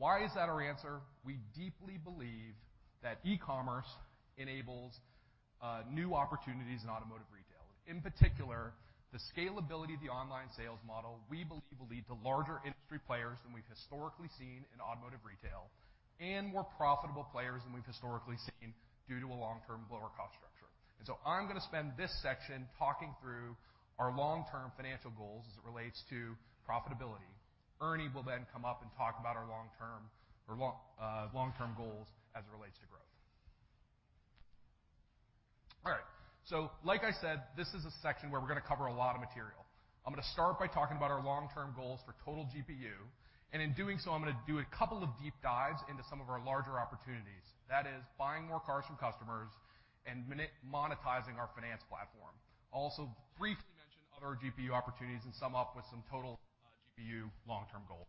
Why is that our answer? We deeply believe that e-commerce enables new opportunities in automotive retail. In particular, the scalability of the online sales model, we believe will lead to larger industry players than we've historically seen in automotive retail and more profitable players than we've historically seen due to a long-term lower cost structure. I'm going to spend this section talking through our long-term financial goals as it relates to profitability. Ernie will then come up and talk about our long-term goals as it relates to growth. All right. Like I said, this is a section where we're going to cover a lot of material. I'm going to start by talking about our long-term goals for total GPU, and in doing so, I'm going to do a couple of deep dives into some of our larger opportunities. That is buying more cars from customers and monetizing our finance platform. Also briefly mention other GPU opportunities and sum up with some total GPU long-term goals.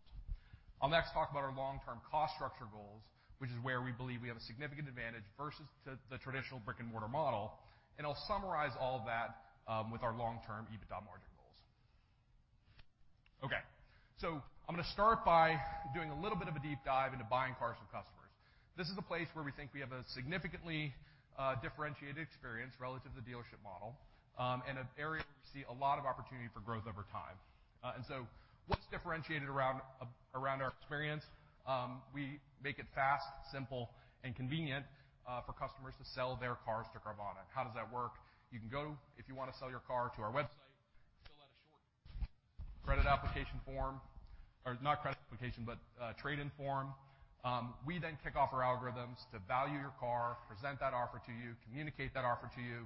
I'll next talk about our long-term cost structure goals, which is where we believe we have a significant advantage versus the traditional brick-and-mortar model, and I'll summarize all that with our long-term EBITDA margin goals. Okay. I'm going to start by doing a little bit of a deep dive into buying cars from customers. This is a place where we think we have a significantly differentiated experience relative to the dealership model, and an area where we see a lot of opportunity for growth over time. What's differentiated around our experience? We make it fast, simple, and convenient for customers to sell their cars to Carvana. How does that work? You can go, if you want to sell your car, to our website, fill out a short credit application form, or not credit application, but a trade-in form. We then kick off our algorithms to value your car, present that offer to you, communicate that offer to you,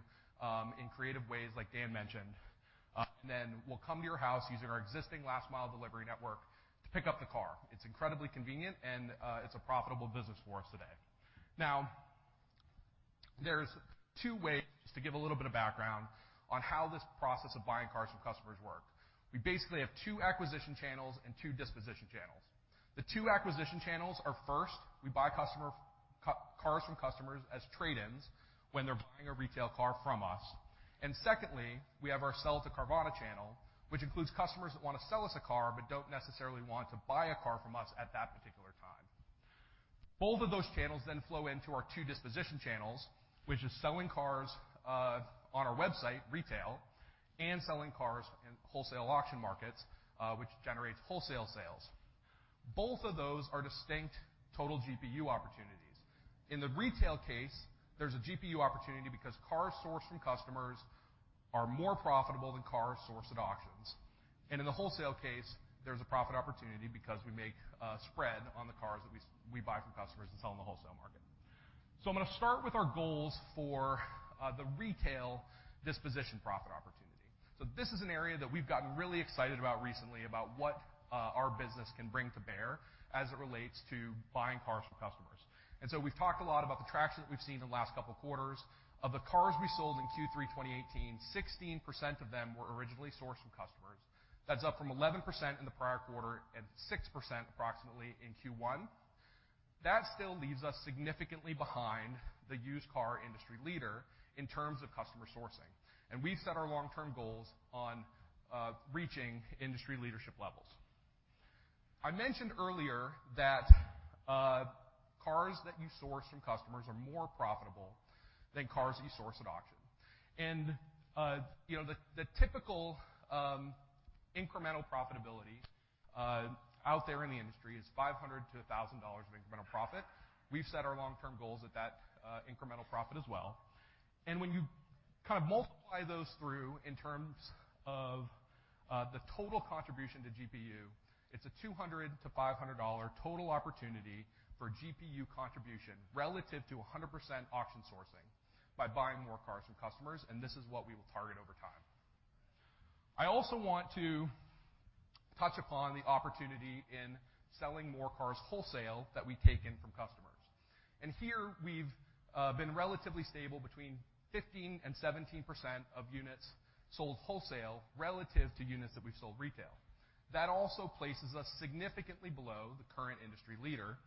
in creative ways like Dan mentioned. We'll come to your house using our existing last mile delivery network to pick up the car. It's incredibly convenient and it's a profitable business for us today. There's two ways to give a little bit of background on how this process of buying cars from customers works. We basically have two acquisition channels and two disposition channels. The two acquisition channels are, first, we buy cars from customers as trade-ins when they're buying a retail car from us. Secondly, we have our sell to Carvana channel, which includes customers that want to sell us a car but don't necessarily want to buy a car from us at that particular time. Both of those channels then flow into our two disposition channels, which is selling cars on our website, retail, and selling cars in wholesale auction markets, which generates wholesale sales. Both of those are distinct total GPU opportunities. In the retail case, there's a GPU opportunity because cars sourced from customers are more profitable than cars sourced at auctions. In the wholesale case, there's a profit opportunity because we make a spread on the cars that we buy from customers and sell in the wholesale market. I'm going to start with our goals for the retail disposition profit opportunity. This is an area that we've gotten really excited about recently about what our business can bring to bear as it relates to buying cars from customers. We've talked a lot about the traction that we've seen in the last couple of quarters. Of the cars we sold in Q3 2018, 16% of them were originally sourced from customers. That's up from 11% in the prior quarter and 6% approximately in Q1. That still leaves us significantly behind the used car industry leader in terms of customer sourcing. We've set our long-term goals on reaching industry leadership levels. I mentioned earlier that cars that you source from customers are more profitable than cars that you source at auction. The typical incremental profitability out there in the industry is $500-$1,000 of incremental profit. We've set our long-term goals at that incremental profit as well. When you kind of multiply those through in terms of the total contribution to GPU, it's a $200-$500 total opportunity for GPU contribution relative to 100% auction sourcing by buying more cars from customers, and this is what we will target over time. I also want to touch upon the opportunity in selling more cars wholesale that we take in from customers. Here we've been relatively stable between 15%-17% of units sold wholesale relative to units that we've sold retail. That also places us significantly below the current industry leader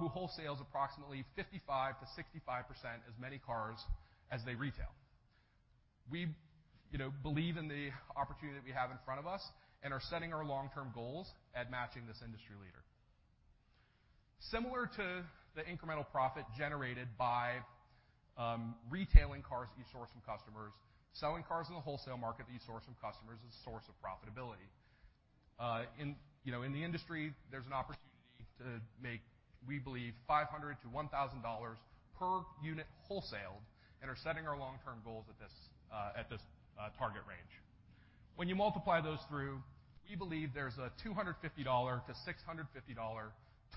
who wholesales approximately 55%-65% as many cars as they retail. We believe in the opportunity that we have in front of us and are setting our long-term goals at matching this industry leader. Similar to the incremental profit generated by retailing cars that you source from customers, selling cars in the wholesale market that you source from customers is a source of profitability. In the industry, there's an opportunity to make, we believe, $500-$1,000 per unit wholesaled and are setting our long-term goals at this target range. When you multiply those through, we believe there's a $250-$650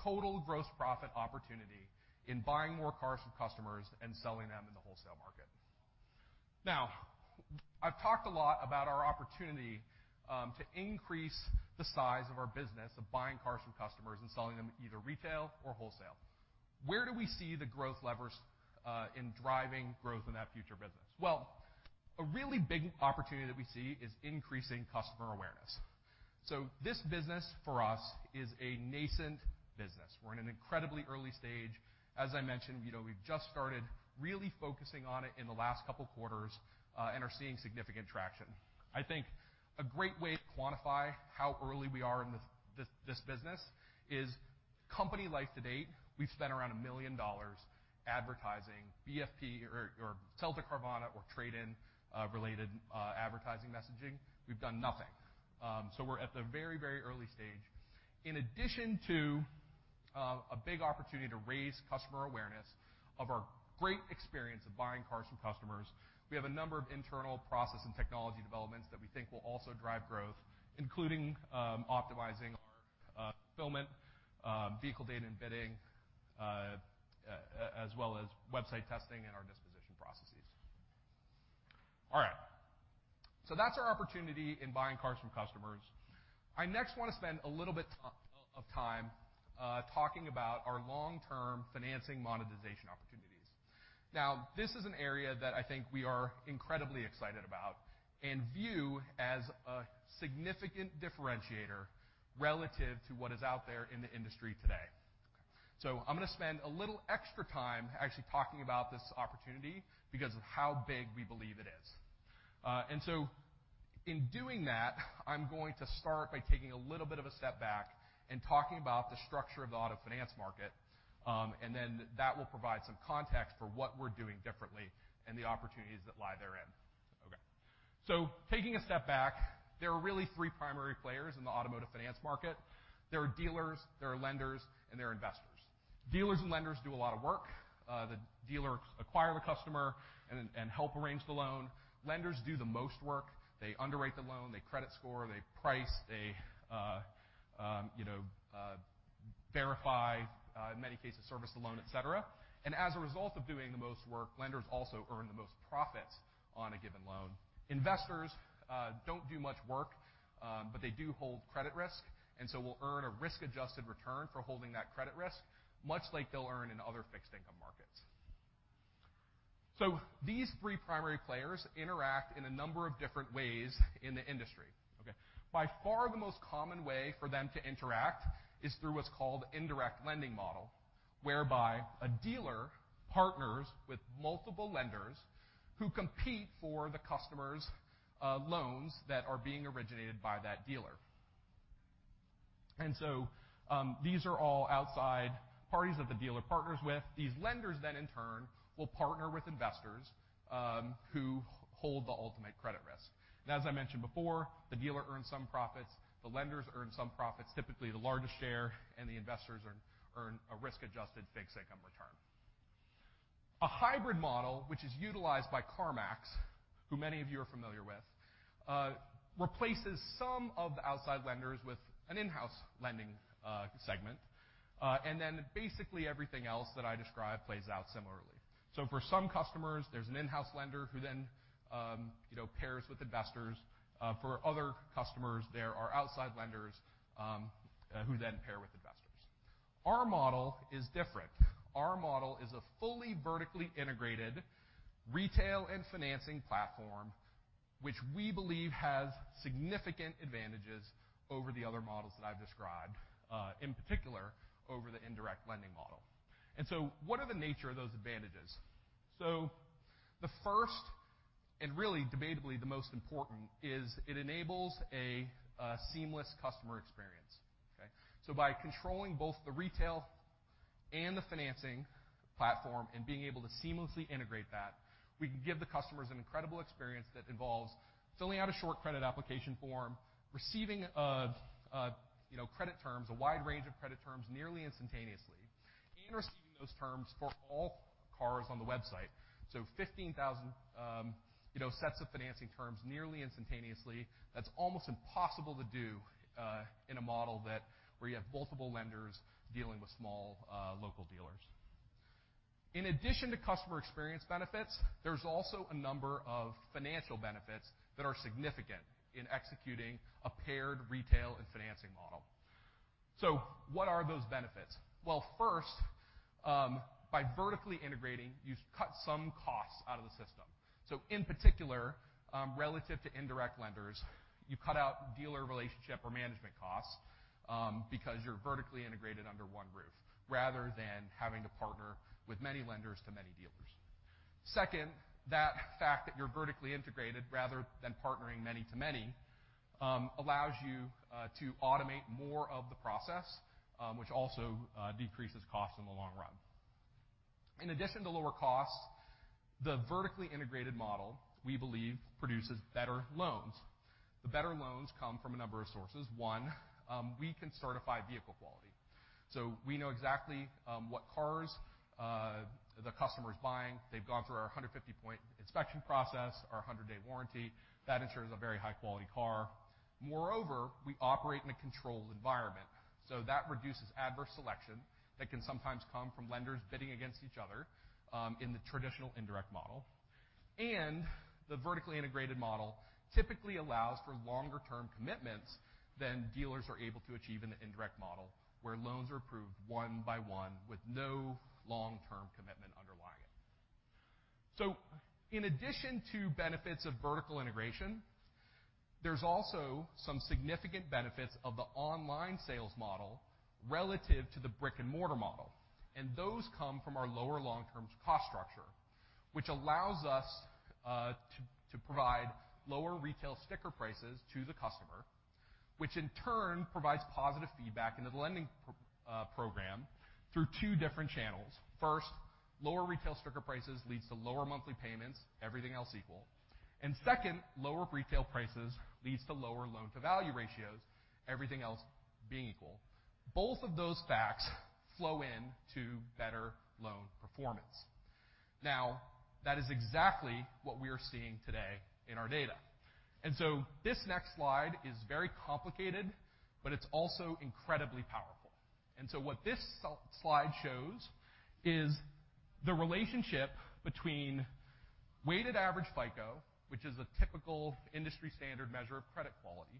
total gross profit opportunity in buying more cars from customers and selling them in the wholesale market. I've talked a lot about our opportunity to increase the size of our business of buying cars from customers and selling them either retail or wholesale. Where do we see the growth levers in driving growth in that future business? A really big opportunity that we see is increasing customer awareness. This business for us is a nascent business. We're in an incredibly early stage. As I mentioned, we've just started really focusing on it in the last couple quarters and are seeing significant traction. I think a great way to quantify how early we are in this business is company life to date, we've spent around $1 million advertising VFP or sell to Carvana or trade-in related advertising messaging. We've done nothing. We're at the very early stage. In addition to a big opportunity to raise customer awareness of our great experience of buying cars from customers, we have a number of internal process and technology developments that we think will also drive growth, including optimizing our fulfillment, vehicle data and bidding, as well as website testing and our disposition processes. That's our opportunity in buying cars from customers. I next want to spend a little bit of time talking about our long-term financing monetization opportunities. This is an area that I think we are incredibly excited about and view as a significant differentiator relative to what is out there in the industry today. I'm going to spend a little extra time actually talking about this opportunity because of how big we believe it is. In doing that, I'm going to start by taking a little bit of a step back and talking about the structure of the auto finance market, then that will provide some context for what we're doing differently and the opportunities that lie therein. Taking a step back, there are really three primary players in the automotive finance market. There are dealers, there are lenders, and there are investors. Dealers and lenders do a lot of work. The dealer acquire the customer and help arrange the loan. Lenders do the most work. They underwrite the loan, they credit score, they price, they verify, in many cases, service the loan, et cetera. As a result of doing the most work, lenders also earn the most profit on a given loan. Investors don't do much work but they do hold credit risk, so will earn a risk-adjusted return for holding that credit risk, much like they'll earn in other fixed income markets. These three primary players interact in a number of different ways in the industry. By far, the most common way for them to interact is through what's called indirect lending model, whereby a dealer partners with multiple lenders who compete for the customer's loans that are being originated by that dealer. These are all outside parties that the dealer partners with. These lenders then, in turn, will partner with investors who hold the ultimate credit risk. As I mentioned before, the dealer earns some profits, the lenders earn some profits, typically the largest share, and the investors earn a risk-adjusted fixed income return. A hybrid model, which is utilized by CarMax, who many of you are familiar with, replaces some of the outside lenders with an in-house lending segment. Basically everything else that I described plays out similarly. For some customers, there's an in-house lender who then pairs with investors. For other customers, there are outside lenders who then pair with investors. Our model is different. Our model is a fully vertically integrated retail and financing platform, which we believe has significant advantages over the other models that I've described, in particular over the indirect lending model. What are the nature of those advantages? The first, and really debatably the most important, is it enables a seamless customer experience, okay? By controlling both the retail and the financing platform and being able to seamlessly integrate that, we can give the customers an incredible experience that involves filling out a short credit application form, receiving credit terms, a wide range of credit terms nearly instantaneously, and receiving those terms for all cars on the website. 15,000 sets of financing terms nearly instantaneously. That's almost impossible to do in a model where you have multiple lenders dealing with small local dealers. In addition to customer experience benefits, there's also a number of financial benefits that are significant in executing a paired retail and financing model. What are those benefits? Well, first, by vertically integrating, you cut some costs out of the system. In particular, relative to indirect lenders, you cut out dealer relationship or management costs because you're vertically integrated under one roof rather than having to partner with many lenders to many dealers. Second, that fact that you're vertically integrated rather than partnering many to many allows you to automate more of the process, which also decreases cost in the long run. In addition to lower costs, the vertically integrated model, we believe, produces better loans. The better loans come from a number of sources. One, we can certify vehicle quality. We know exactly what cars the customer is buying. They've gone through our 150-point inspection process, our 100-day warranty. That ensures a very high-quality car. Moreover, we operate in a controlled environment, so that reduces adverse selection that can sometimes come from lenders bidding against each other in the traditional indirect model. The vertically integrated model typically allows for longer-term commitments than dealers are able to achieve in the indirect model, where loans are approved one by one with no long-term commitment underlying it. In addition to benefits of vertical integration, there's also some significant benefits of the online sales model relative to the brick-and-mortar model. Those come from our lower long-term cost structure, which allows us to provide lower retail sticker prices to the customer, which in turn provides positive feedback into the lending program through two different channels. First, lower retail sticker prices leads to lower monthly payments, everything else equal. Second, lower retail prices leads to lower loan-to-value ratios, everything else being equal. Both of those facts flow into better loan performance. Now, that is exactly what we are seeing today in our data. This next slide is very complicated, but it's also incredibly powerful. What this slide shows is the relationship between weighted average FICO, which is a typical industry standard measure of credit quality,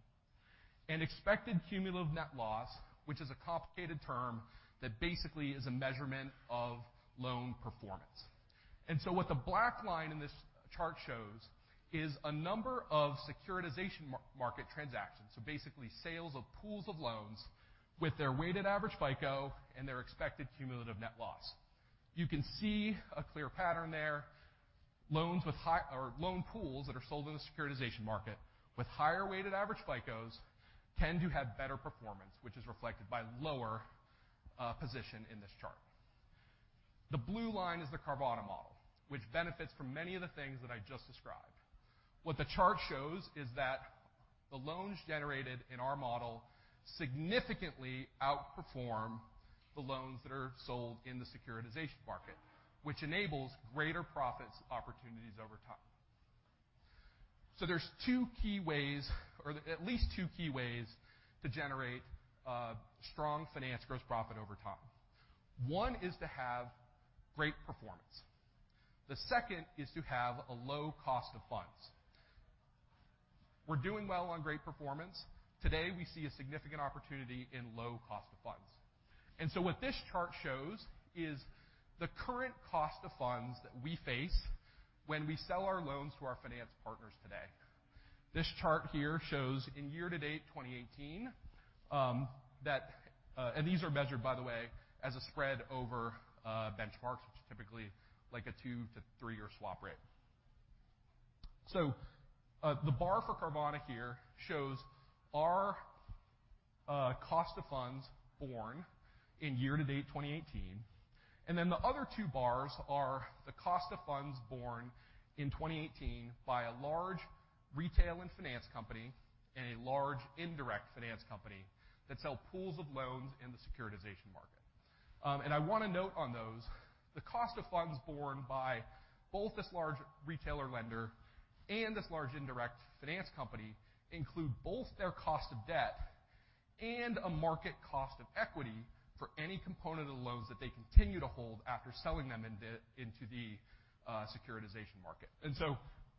and expected cumulative net loss, which is a complicated term that basically is a measurement of loan performance. What the black line in this chart shows is a number of securitization market transactions, so basically sales of pools of loans with their weighted average FICO and their expected cumulative net loss. You can see a clear pattern there. Loan pools that are sold in the securitization market with higher weighted average FICOs tend to have better performance, which is reflected by lower position in this chart. The blue line is the Carvana model, which benefits from many of the things that I just described. What the chart shows is that the loans generated in our model significantly outperform the loans that are sold in the securitization market, which enables greater profits opportunities over time. There's two key ways, or at least two key ways, to generate strong finance gross profit over time. One is to have great performance. The second is to have a low cost of funds. We're doing well on great performance. Today, we see a significant opportunity in low cost of funds. What this chart shows is the current cost of funds that we face when we sell our loans to our finance partners today. This chart here shows in year-to-date 2018. These are measured, by the way, as a spread over benchmarks, which is typically like a two to three-year swap rate. The bar for Carvana here shows our cost of funds borne in year-to-date 2018, then the other two bars are the cost of funds borne in 2018 by a large retail and finance company and a large indirect finance company that sell pools of loans in the securitization market. I want to note on those, the cost of funds borne by both this large retailer lender and this large indirect finance company include both their cost of debt and a market cost of equity for any component of the loans that they continue to hold after selling them into the securitization market.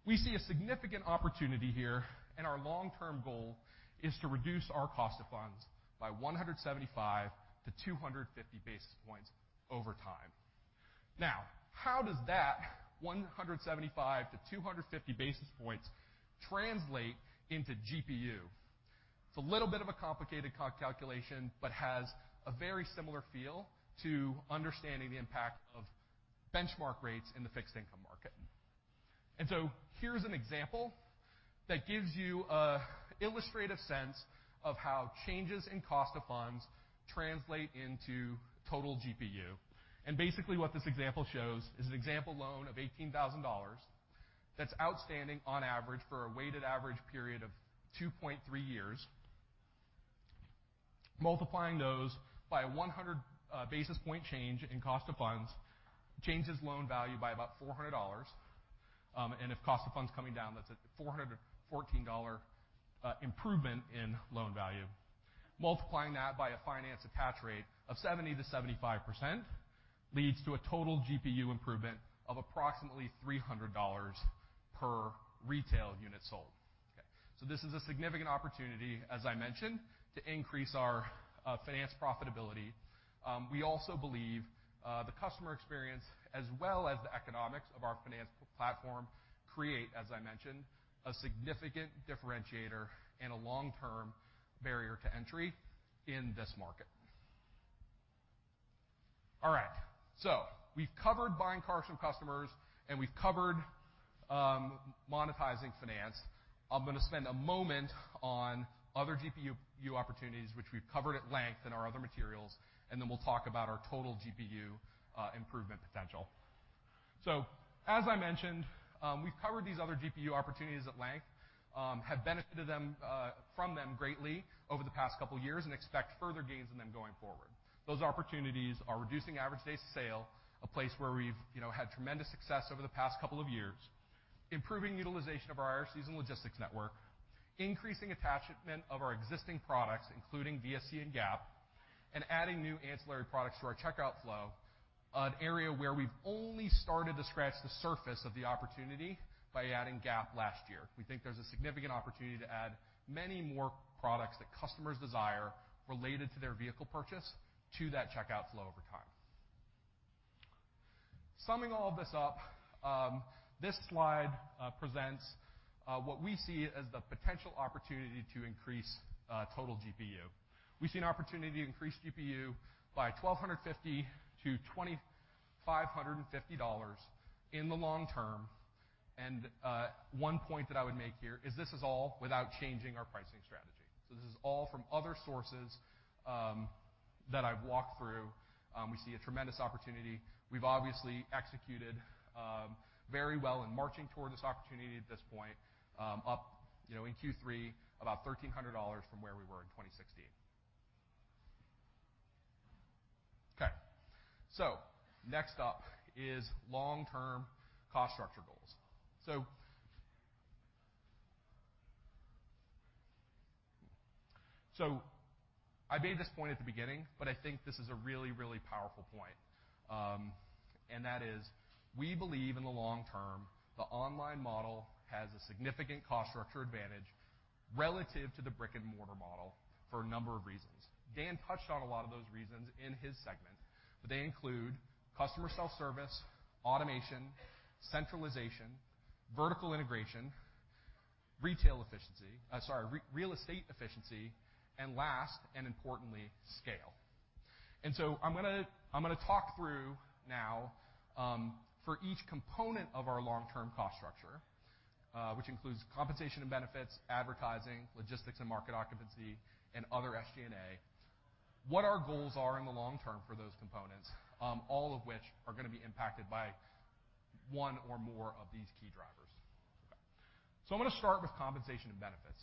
We see a significant opportunity here, and our long-term goal is to reduce our cost of funds by 175 to 250 basis points over time. Now, how does that 175 to 250 basis points translate into GPU? It's a little bit of a complicated calculation, but has a very similar feel to understanding the impact of benchmark rates in the fixed income market. Here's an example that gives you an illustrative sense of how changes in cost of funds translate into total GPU. Basically what this example shows is an example loan of $18,000 that's outstanding on average for a weighted average period of 2.3 years. Multiplying those by a 100 basis point change in cost of funds changes loan value by about $400. If cost of funds coming down, that's a $414 improvement in loan value. Multiplying that by a finance attach rate of 70%-75% leads to a total GPU improvement of approximately $300 per retail unit sold. This is a significant opportunity, as I mentioned, to increase our finance profitability. We also believe the customer experience as well as the economics of our finance platform create, as I mentioned, a significant differentiator and a long-term barrier to entry in this market. We've covered buying cars from customers, and we've covered monetizing finance. I'm going to spend a moment on other GPU opportunities, which we've covered at length in our other materials, and then we'll talk about our total GPU improvement potential. As I mentioned, we've covered these other GPU opportunities at length, have benefited from them greatly over the past couple of years and expect further gains in them going forward. Those opportunities are reducing average days sale, a place where we've had tremendous success over the past couple of years, improving utilization of our IRC logistics network, increasing attachment of our existing products, including VSC and GAP, and adding new ancillary products to our checkout flow, an area where we've only started to scratch the surface of the opportunity by adding GAP last year. We think there's a significant opportunity to add many more products that customers desire related to their vehicle purchase to that checkout flow over time. Summing all of this up, this slide presents what we see as the potential opportunity to increase total GPU. We see an opportunity to increase GPU by $1,250-$2,550 in the long term. One point that I would make here is this is all without changing our pricing strategy. This is all from other sources that I've walked through. We see a tremendous opportunity. We've obviously executed very well in marching toward this opportunity at this point, up in Q3, about $1,300 from where we were in 2016. Next up is long-term cost structure goals. I made this point at the beginning, but I think this is a really powerful point. That is, we believe in the long term, the online model has a significant cost structure advantage relative to the brick-and-mortar model for a number of reasons. Dan touched on a lot of those reasons in his segment, but they include customer self-service, automation, centralization, vertical integration, real estate efficiency, and last and importantly, scale. I'm going to talk through now for each component of our long-term cost structure, which includes compensation and benefits, advertising, logistics and market occupancy, and other SG&A, what our goals are in the long term for those components, all of which are going to be impacted by one or more of these key drivers. I'm going to start with compensation and benefits.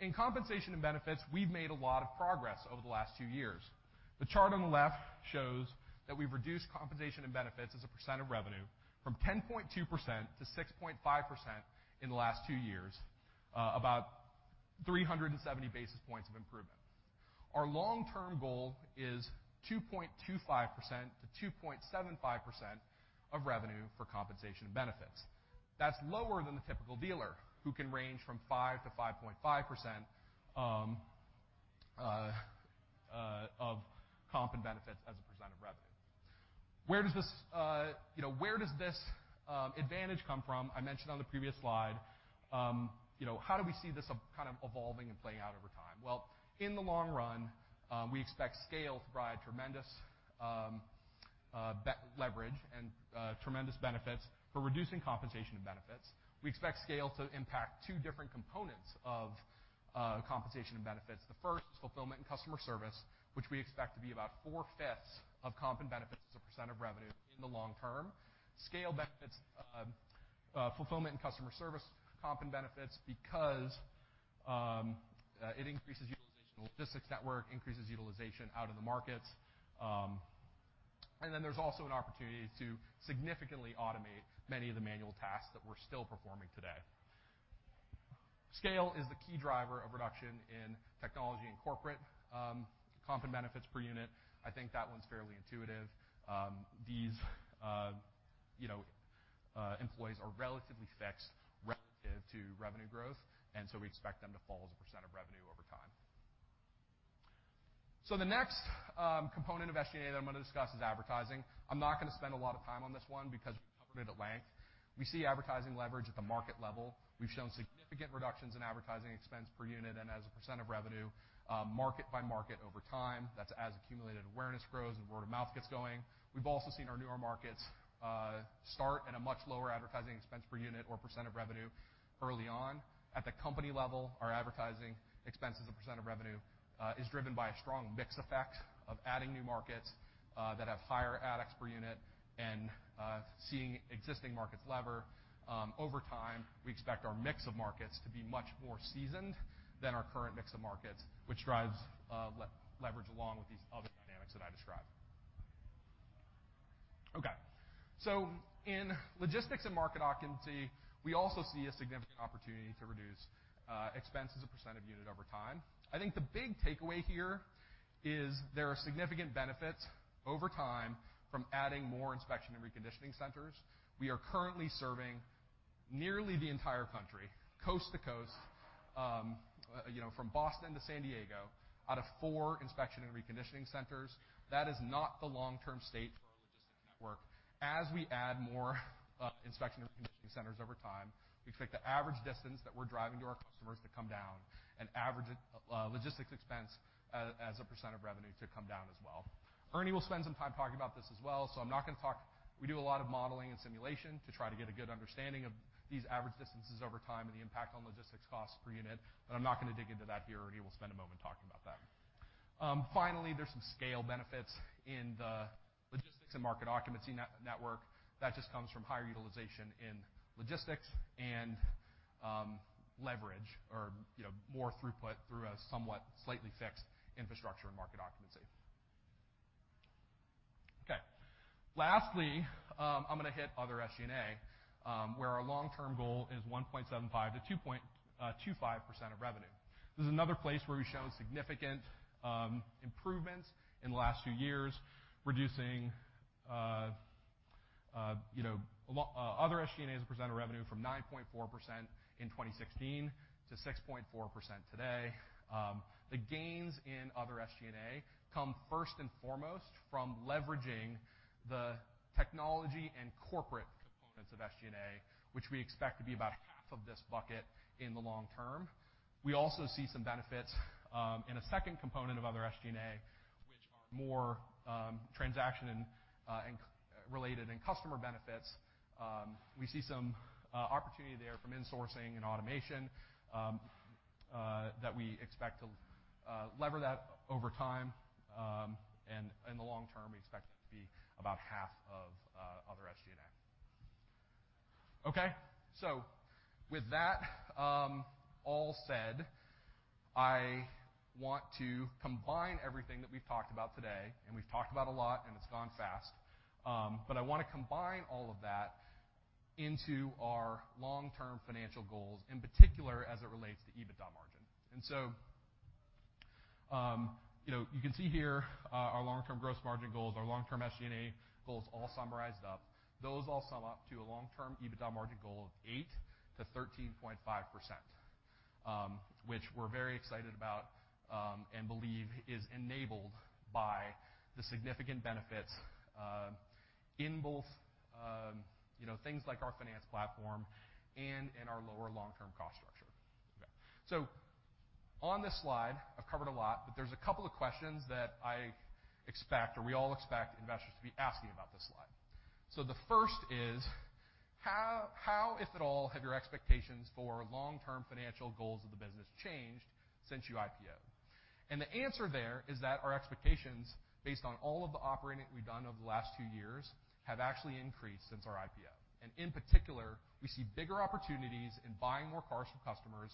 In compensation and benefits we've made a lot of progress over the last two years. The chart on the left shows that we've reduced compensation and benefits as a percent of revenue from 10.2% to 6.5% in the last two years, about 370 basis points of improvement. Our long-term goal is 2.25%-2.75% of revenue for compensation and benefits. That's lower than the typical dealer, who can range from 5% to 5.5% of comp and benefits as a percent of revenue. Where does this advantage come from? I mentioned on the previous slide, how do we see this evolving and playing out over time? In the long run, we expect scale to provide tremendous leverage and tremendous benefits for reducing compensation and benefits. We expect scale to impact two different components of compensation and benefits. The first is fulfillment and customer service, which we expect to be about four-fifths of comp and benefits as a percent of revenue in the long term. Scale benefits fulfillment and customer service comp and benefits because it increases utilization of the logistics network, increases utilization out of the markets, and then there's also an opportunity to significantly automate many of the manual tasks that we're still performing today. Scale is the key driver of reduction in technology and corporate comp and benefits per unit. I think that one's fairly intuitive. These employees are relatively fixed relative to revenue growth, we expect them to fall as a percent of revenue over time. The next component of SG&A that I'm going to discuss is advertising. I'm not going to spend a lot of time on this one because we covered it at length. We see advertising leverage at the market level. We've shown significant reductions in advertising expense per unit and as a percent of revenue, market by market over time. That's as accumulated awareness grows and word of mouth gets going. We've also seen our newer markets start at a much lower advertising expense per unit or percent of revenue early on. At the company level, our advertising expense as a percent of revenue is driven by a strong mix effect of adding new markets that have higher ad expense per unit and seeing existing markets lever. Over time, we expect our mix of markets to be much more seasoned than our current mix of markets, which drives leverage along with these other dynamics that I described. Okay. In logistics and market occupancy, we also see a significant opportunity to reduce expense as a percent of unit over time. I think the big takeaway here is there are significant benefits over time from adding more inspection and reconditioning centers. We are currently serving nearly the entire country, coast to coast, from Boston to San Diego, out of four inspection and reconditioning centers. That is not the long-term state for our logistics network. As we add more inspection and reconditioning centers over time, we expect the average distance that we're driving to our customers to come down, and average logistics expense as a percent of revenue to come down as well. Ernie will spend some time talking about this as well, so I'm not going to talk. We do a lot of modeling and simulation to try to get a good understanding of these average distances over time and the impact on logistics costs per unit, I'm not going to dig into that here. Ernie will spend a moment talking about that. Finally, there's some scale benefits in the logistics and market occupancy network. That just comes from higher utilization in logistics and leverage, or more throughput through a somewhat slightly fixed infrastructure and market occupancy. Okay. Lastly, I'm going to hit other SG&A, where our long-term goal is 1.75%-2.25% of revenue. This is another place where we've shown significant improvements in the last few years, reducing other SG&A as a percent of revenue from 9.4% in 2016 to 6.4% today. The gains in other SG&A come first and foremost from leveraging the technology and corporate components of SG&A, which we expect to be about half of this bucket in the long term. We also see some benefits in a second component of other SG&A, which are more transaction-related and customer benefits. We see some opportunity there from insourcing and automation that we expect to lever that over time, and in the long term, we expect it to be about half of other SG&A. Okay. With that all said, I want to combine everything that we've talked about today, and we've talked about a lot, and it's gone fast. I want to combine all of that into our long-term financial goals, in particular, as it relates to EBITDA margin. You can see here our long-term gross margin goals, our long-term SG&A goals, all summarized up. Those all sum up to a long-term EBITDA margin goal of 8%-13.5%, which we're very excited about and believe is enabled by the significant benefits in both things like our finance platform and in our lower long-term cost structure. Okay. On this slide, I've covered a lot, but there's a couple of questions that I expect, or we all expect investors to be asking about this slide. The first is: How, if at all, have your expectations for long-term financial goals of the business changed since you IPOed? The answer there is that our expectations, based on all of the operating we've done over the last two years, have actually increased since our IPO. In particular, we see bigger opportunities in buying more cars from customers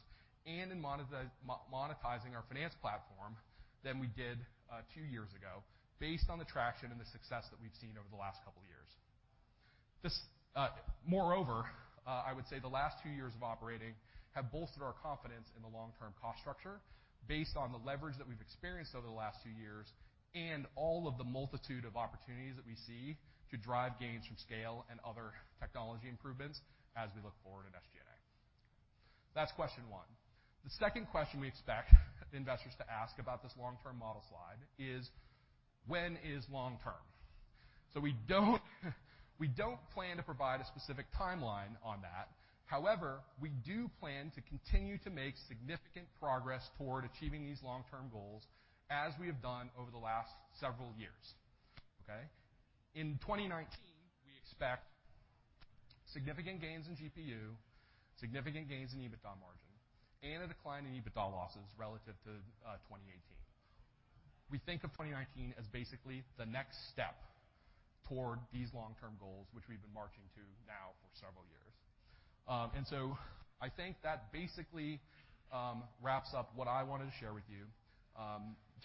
and in monetizing our finance platform than we did a few years ago based on the traction and the success that we've seen over the last couple of years. Moreover, I would say the last two years of operating have bolstered our confidence in the long-term cost structure based on the leverage that we've experienced over the last two years and all of the multitude of opportunities that we see to drive gains from scale and other technology improvements as we look forward at SG&A. That's question one. The second question we expect investors to ask about this long-term model slide is, when is long term? We don't plan to provide a specific timeline on that. However, we do plan to continue to make significant progress toward achieving these long-term goals, as we have done over the last several years. Okay. In 2019, we expect significant gains in GPU, significant gains in EBITDA margin, and a decline in EBITDA losses relative to 2018. We think of 2019 as basically the next step toward these long-term goals, which we've been marching to now for several years. I think that basically wraps up what I wanted to share with you.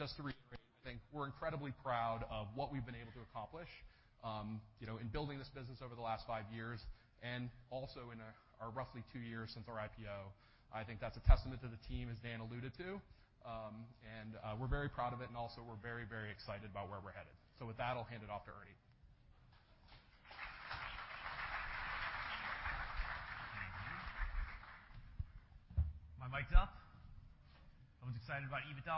Just to reiterate, I think we're incredibly proud of what we've been able to accomplish in building this business over the last five years, and also in our roughly two years since our IPO. That's a testament to the team, as Dan alluded to. We're very proud of it, we're very excited about where we're headed. With that, I'll hand it off to Ernie. My mic's up. Everyone's excited about EBITDA.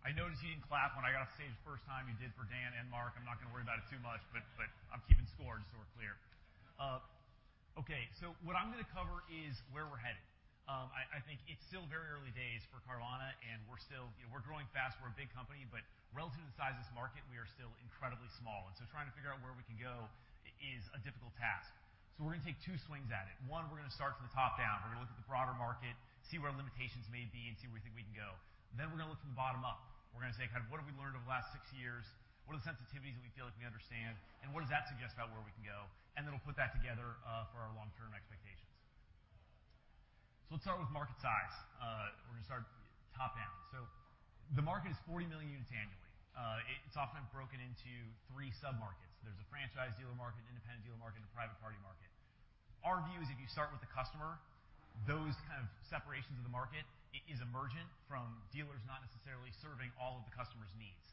I noticed you didn't clap when I got off stage the first time you did for Dan and Mark. I'm not going to worry about it too much, but I'm keeping score, just so we're clear. What I'm going to cover is where we're headed. I think it's still very early days for Carvana, we're growing fast. We're a big company, but relative to the size of this market, we are still incredibly small. Trying to figure out where we can go is a difficult task. We're going to take two swings at it. One, we're going to start from the top down. We're going to look at the broader market, see where our limitations may be, and see where we think we can go. We're going to look from the bottom up. We're going to say, what have we learned over the last six years? What are the sensitivities that we feel like we understand, and what does that suggest about where we can go? We'll put that together for our long-term expectations. Let's start with market size. We're going to start top-down. The market is 40 million units annually. It's often broken into three sub-markets. There's a franchise dealer market, independent dealer market, and a private party market. Our view is if you start with the customer, those kind of separations of the market is emergent from dealers not necessarily serving all of the customer's needs.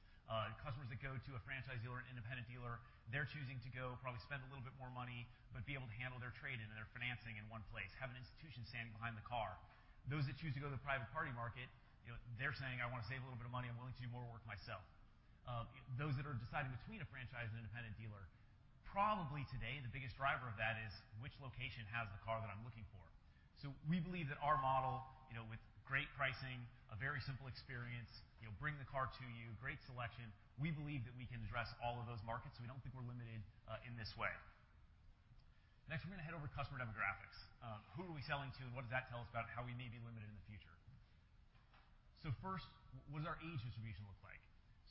Customers that go to a franchise dealer, an independent dealer, they're choosing to go probably spend a little bit more money, but be able to handle their trade-in and their financing in one place, have an institution standing behind the car. Those that choose to go to the private party market, they're saying, "I want to save a little bit of money. I'm willing to do more work myself." Those that are deciding between a franchise and independent dealer, probably today, the biggest driver of that is which location has the car that I'm looking for. We believe that our model with great pricing, a very simple experience, bring the car to you, great selection, we believe that we can address all of those markets, we don't think we're limited in this way. Next, we're going to head over customer demographics. Who are we selling to, and what does that tell us about how we may be limited in the future? First, what does our age distribution look like?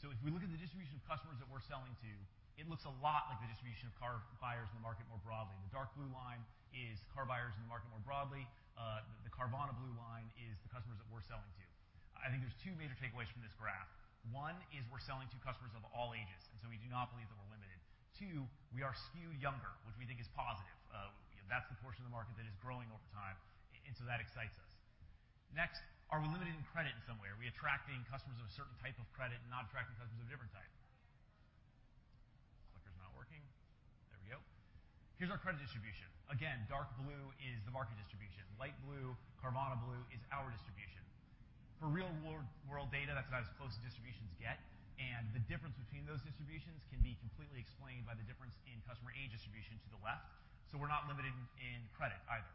If we look at the distribution of customers that we are selling to, it looks a lot like the distribution of car buyers in the market more broadly. The dark blue line is car buyers in the market more broadly. The Carvana blue line is the customers that we are selling to. I think there are 2 major takeaways from this graph. One, we are selling to customers of all ages, we do not believe that we are limited. Two, we are skewed younger, which we think is positive. That is the portion of the market that is growing over time, that excites us. Next, are we limited in credit in some way? Are we attracting customers of a certain type of credit and not attracting customers of a different type? Clicker is not working. There we go. Here is our credit distribution. Again, dark blue is the market distribution. Light blue, Carvana blue, is our distribution. For real world data, that is about as close as distributions get, the difference between those distributions can be completely explained by the difference in customer age distribution to the left, we are not limited in credit either.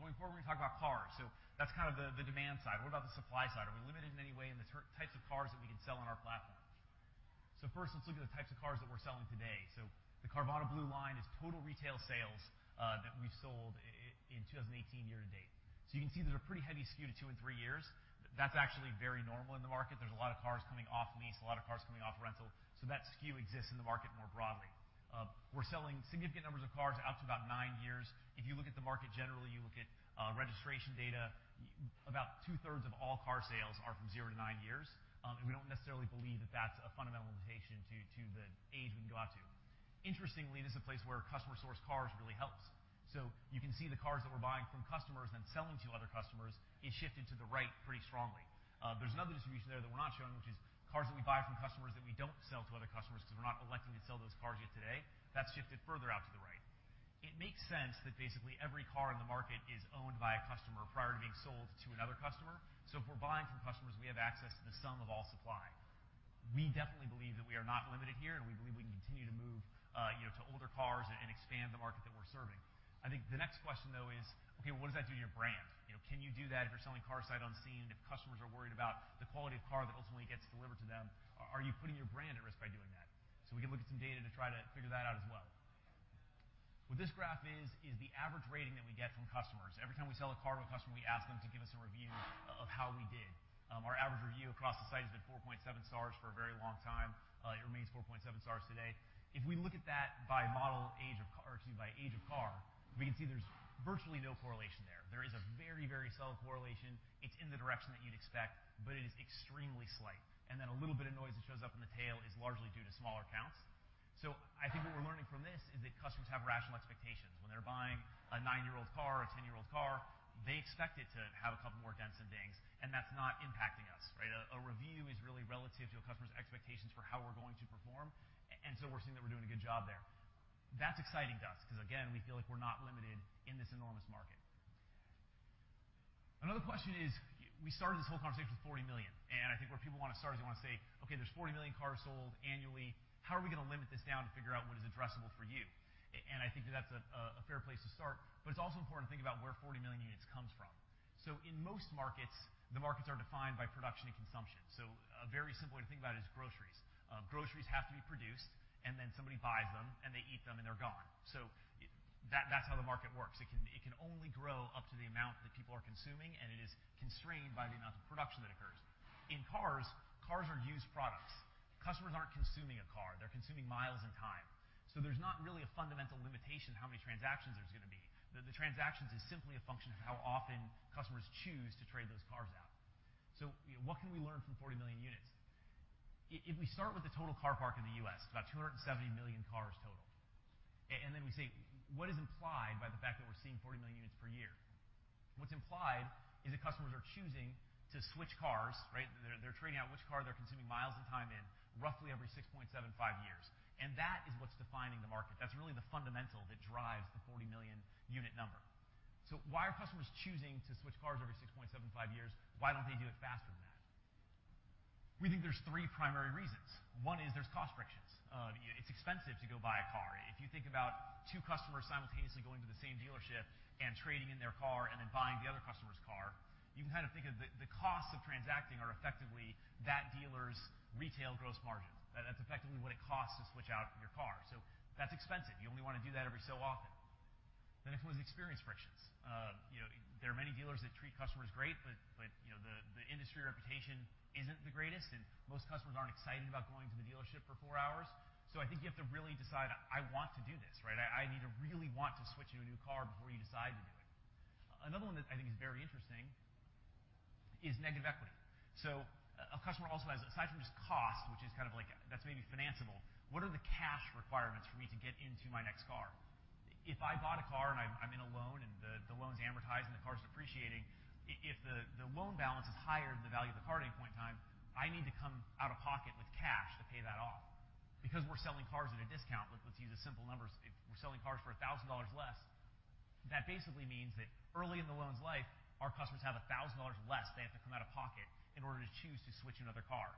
Going forward, we are going to talk about cars. That is kind of the demand side. What about the supply side? Are we limited in any way in the types of cars that we can sell on our platform? First, let us look at the types of cars that we are selling today. The Carvana blue line is total retail sales that we have sold in 2018 year to date. You can see there is a pretty heavy skew to two and three years. That is actually very normal in the market. There is a lot of cars coming off lease, a lot of cars coming off rental, that skew exists in the market more broadly. We are selling significant numbers of cars out to about nine years. If you look at the market generally, you look at registration data, about two-thirds of all car sales are from zero to nine years, we do not necessarily believe that that is a fundamental limitation to the age we can go out to. Interestingly, this is a place where customer source cars really helps. You can see the cars that we are buying from customers, then selling to other customers is shifted to the right pretty strongly. There is another distribution there that we are not showing, which is cars that we buy from customers that we do not sell to other customers because we are not electing to sell those cars yet today. That is shifted further out to the right. It makes sense that basically every car in the market is owned by a customer prior to being sold to another customer, if we are buying from customers, we have access to the sum of all supply. We definitely believe that we are not limited here, we believe we can continue to move to older cars and expand the market that we are serving. I think the next question, though, is, okay, what does that do to your brand? Can you do that if you are selling cars sight unseen, and if customers are worried about the quality of the car that ultimately gets delivered to them? Are you putting your brand at risk by doing that? We can look at some data to try to figure that out as well. What this graph is the average rating that we get from customers. Every time we sell a car to a customer, we ask them to give us a review of how we did. Our average review across the site has been 4.7 stars for a very long time. It remains 4.7 stars today. If we look at that by age of car, we can see there's virtually no correlation there. There is a very subtle correlation. It's in the direction that you'd expect, but it is extremely slight. A little bit of noise that shows up in the tail is largely due to smaller counts. I think what we're learning from this is that customers have rational expectations. When they're buying a nine-year-old car, a 10-year-old car, they expect it to have a couple more dents and dings, and that's not impacting us, right? A review is really relative to a customer's expectations for how we're going to perform, and so we're seeing that we're doing a good job there. That's exciting to us because, again, we feel like we're not limited in this enormous market. Another question is, we started this whole conversation with 40 million, and I think where people want to start is they want to say, "Okay, there's 40 million cars sold annually. How are we going to limit this down to figure out what is addressable for you?" I think that that's a fair place to start, but it's also important to think about where 40 million units comes from. In most markets, the markets are defined by production and consumption. A very simple way to think about it is groceries. Groceries have to be produced, and then somebody buys them, and they eat them, and they're gone. That's how the market works. It can only grow up to the amount that people are consuming, and it is constrained by the amount of production that occurs. In cars are used products. Customers aren't consuming a car. They're consuming miles and time. There's not really a fundamental limitation how many transactions there's going to be. The transactions is simply a function of how often customers choose to trade those cars out. What can we learn from 40 million units? If we start with the total car park in the U.S., about 270 million cars total, and then we say, what is implied by the fact that we're seeing 40 million units per year? What's implied is that customers are choosing to switch cars, right? They're trading out which car they're consuming miles and time in roughly every 6.75 years, and that is what's defining the market. That's really the fundamental that drives the 40 million unit number. Why are customers choosing to switch cars every 6.75 years? Why don't they do it faster than that? We think there's three primary reasons. One is there's cost frictions. It's expensive to go buy a car. If you think about two customers simultaneously going to the same dealership and trading in their car and then buying the other customer's car, you can think of the costs of transacting are effectively that dealer's retail gross margin. That's effectively what it costs to switch out your car. That's expensive. You only want to do that every so often. The next one is experience frictions. There are many dealers that treat customers great, but the industry reputation isn't the greatest, and most customers aren't excited about going to the dealership for 4 hours. I think you have to really decide, I want to do this, right? I need to really want to switch to a new car before you decide to do it. Another one that I think is very interesting is negative equity. A customer also has, aside from just cost, which is kind of like, that's maybe financeable, what are the cash requirements for me to get into my next car? If I bought a car and I'm in a loan and the loan's amortized and the car's depreciating, if the loan balance is higher than the value of the car at any point in time, I need to come out of pocket with cash to pay that off. Because we're selling cars at a discount, let's use a simple number. If we're selling cars for $1,000 less, that basically means that early in the loan's life, our customers have $1,000 less they have to come out of pocket in order to choose to switch another car.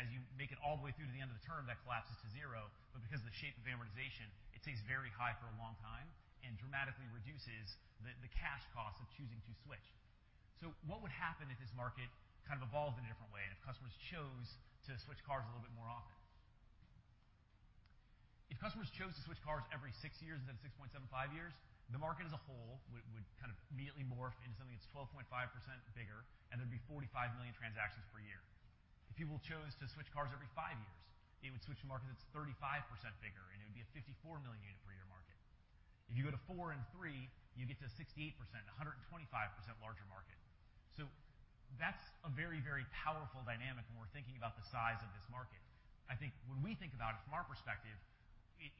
As you make it all the way through to the end of the term, that collapses to zero, but because of the shape of amortization, it stays very high for a long time and dramatically reduces the cash cost of choosing to switch. What would happen if this market kind of evolved in a different way, and if customers chose to switch cars a little bit more often? If customers chose to switch cars every six years instead of 6.75 years, the market as a whole would kind of immediately morph into something that's 12.5% bigger, and there'd be 45 million transactions per year. If people chose to switch cars every five years, it would switch to a market that's 35% bigger, and it would be a 54 million unit per year market. If you go to four and three, you get to 68%, 125% larger market. That's a very powerful dynamic when we're thinking about the size of this market. I think when we think about it from our perspective,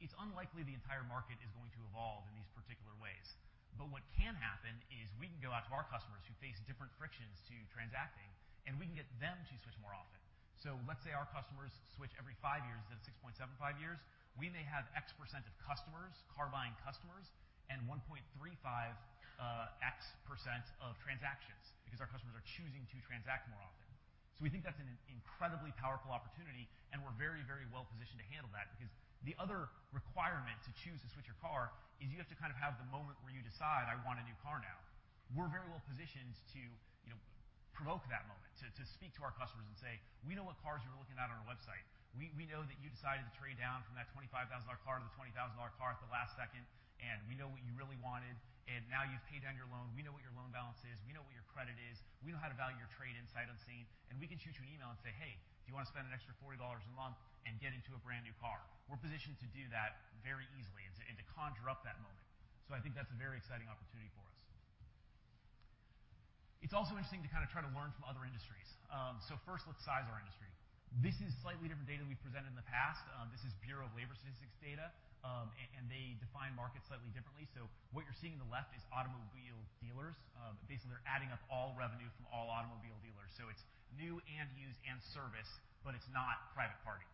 it's unlikely the entire market is going to evolve in these particular ways. What can happen is we can go out to our customers who face different frictions to transacting, and we can get them to switch more often. Let's say our customers switch every five years instead of 6.75 years. We may have X% of customers, car-buying customers, and 1.35X% of transactions because our customers are choosing to transact more often. We think that's an incredibly powerful opportunity, and we're very well positioned to handle that because the other requirement to choose to switch your car is you have to kind of have the moment where you decide, I want a new car now. We're very well positioned to provoke that moment, to speak to our customers and say, "We know what cars you were looking at on our website. We know that you decided to trade down from that $25,000 car to the $20,000 car at the last second, and we know what you really wanted, and now you've paid down your loan. We know what your loan balance is. We know what your credit is. We know how to value your trade-in sight unseen, and we can shoot you an email and say, 'Hey, do you want to spend an extra $40 a month and get into a brand-new car?'" We're positioned to do that very easily and to conjure up that moment. I think that's a very exciting opportunity for us. It's also interesting to kind of try to learn from other industries. First, let's size our industry. This is slightly different data we've presented in the past. This is Bureau of Labor Statistics data, and they define markets slightly differently. What you're seeing on the left is automobile dealers. Basically, they're adding up all revenue from all automobile dealers. It's new and used and service, but it's not private party.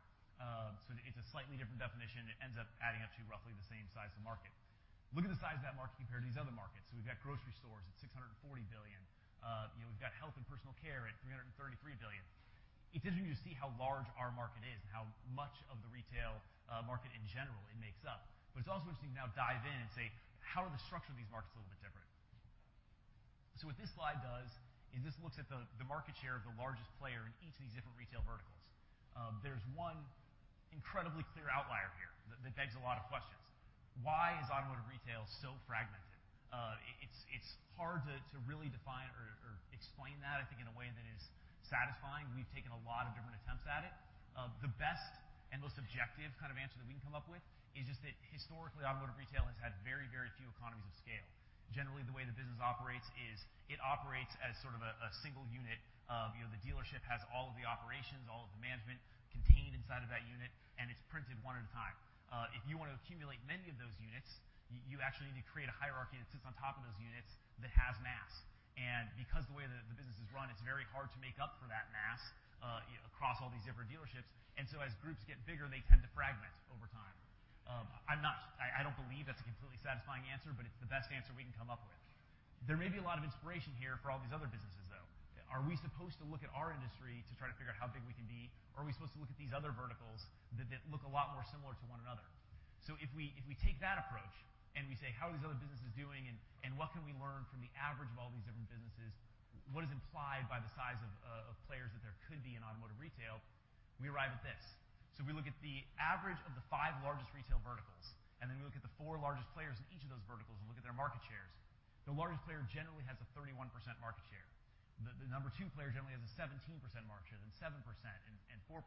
It's a slightly different definition. It ends up adding up to roughly the same size of the market. Look at the size of that market compared to these other markets. We've got grocery stores at $640 billion. We've got health and personal care at $333 billion. It's interesting to see how large our market is and how much of the retail market in general it makes up. It's also interesting to now dive in and say, how are the structure of these markets a little bit different? What this slide does is this looks at the market share of the largest player in each of these different retail verticals. There's one incredibly clear outlier here that begs a lot of questions. Why is automotive retail so fragmented. It's hard to really define or explain that, I think, in a way that is satisfying. We've taken a lot of different attempts at it. The best and most objective kind of answer that we can come up with is just that historically, automotive retail has had very, very few economies of scale. Generally, the way the business operates is it operates as sort of a single unit. The dealership has all of the operations, all of the management contained inside of that unit, and it's printed one at a time. If you want to accumulate many of those units, you actually need to create a hierarchy that sits on top of those units that has mass. Because the way that the business is run, it's very hard to make up for that mass across all these different dealerships. As groups get bigger, they tend to fragment over time. I don't believe that's a completely satisfying answer, but it's the best answer we can come up with. There may be a lot of inspiration here for all these other businesses, though. Are we supposed to look at our industry to try to figure out how big we can be? Are we supposed to look at these other verticals that look a lot more similar to one another? If we take that approach and we say, how are these other businesses doing, and what can we learn from the average of all these different businesses? What is implied by the size of players that there could be in automotive retail? We arrive at this. We look at the average of the five largest retail verticals, and then we look at the four largest players in each of those verticals and look at their market shares. The largest player generally has a 31% market share. The number two player generally has a 17% market share, then 7% and 4%.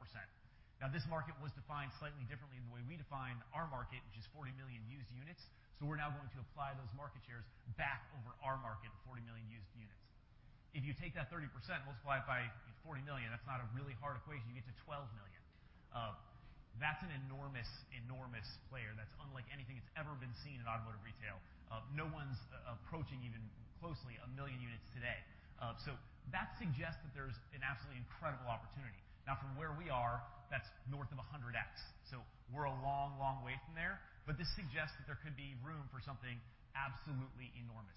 This market was defined slightly differently than the way we define our market, which is 40 million used units. We're now going to apply those market shares back over our market of 40 million used units. If you take that 30%, multiply it by 40 million, that's not a really hard equation. You get to 12 million. That's an enormous player. That's unlike anything that's ever been seen in automotive retail. No one's approaching even closely a million units today. That suggests that there's an absolutely incredible opportunity. From where we are, that's north of 100x. We're a long way from there, but this suggests that there could be room for something absolutely enormous.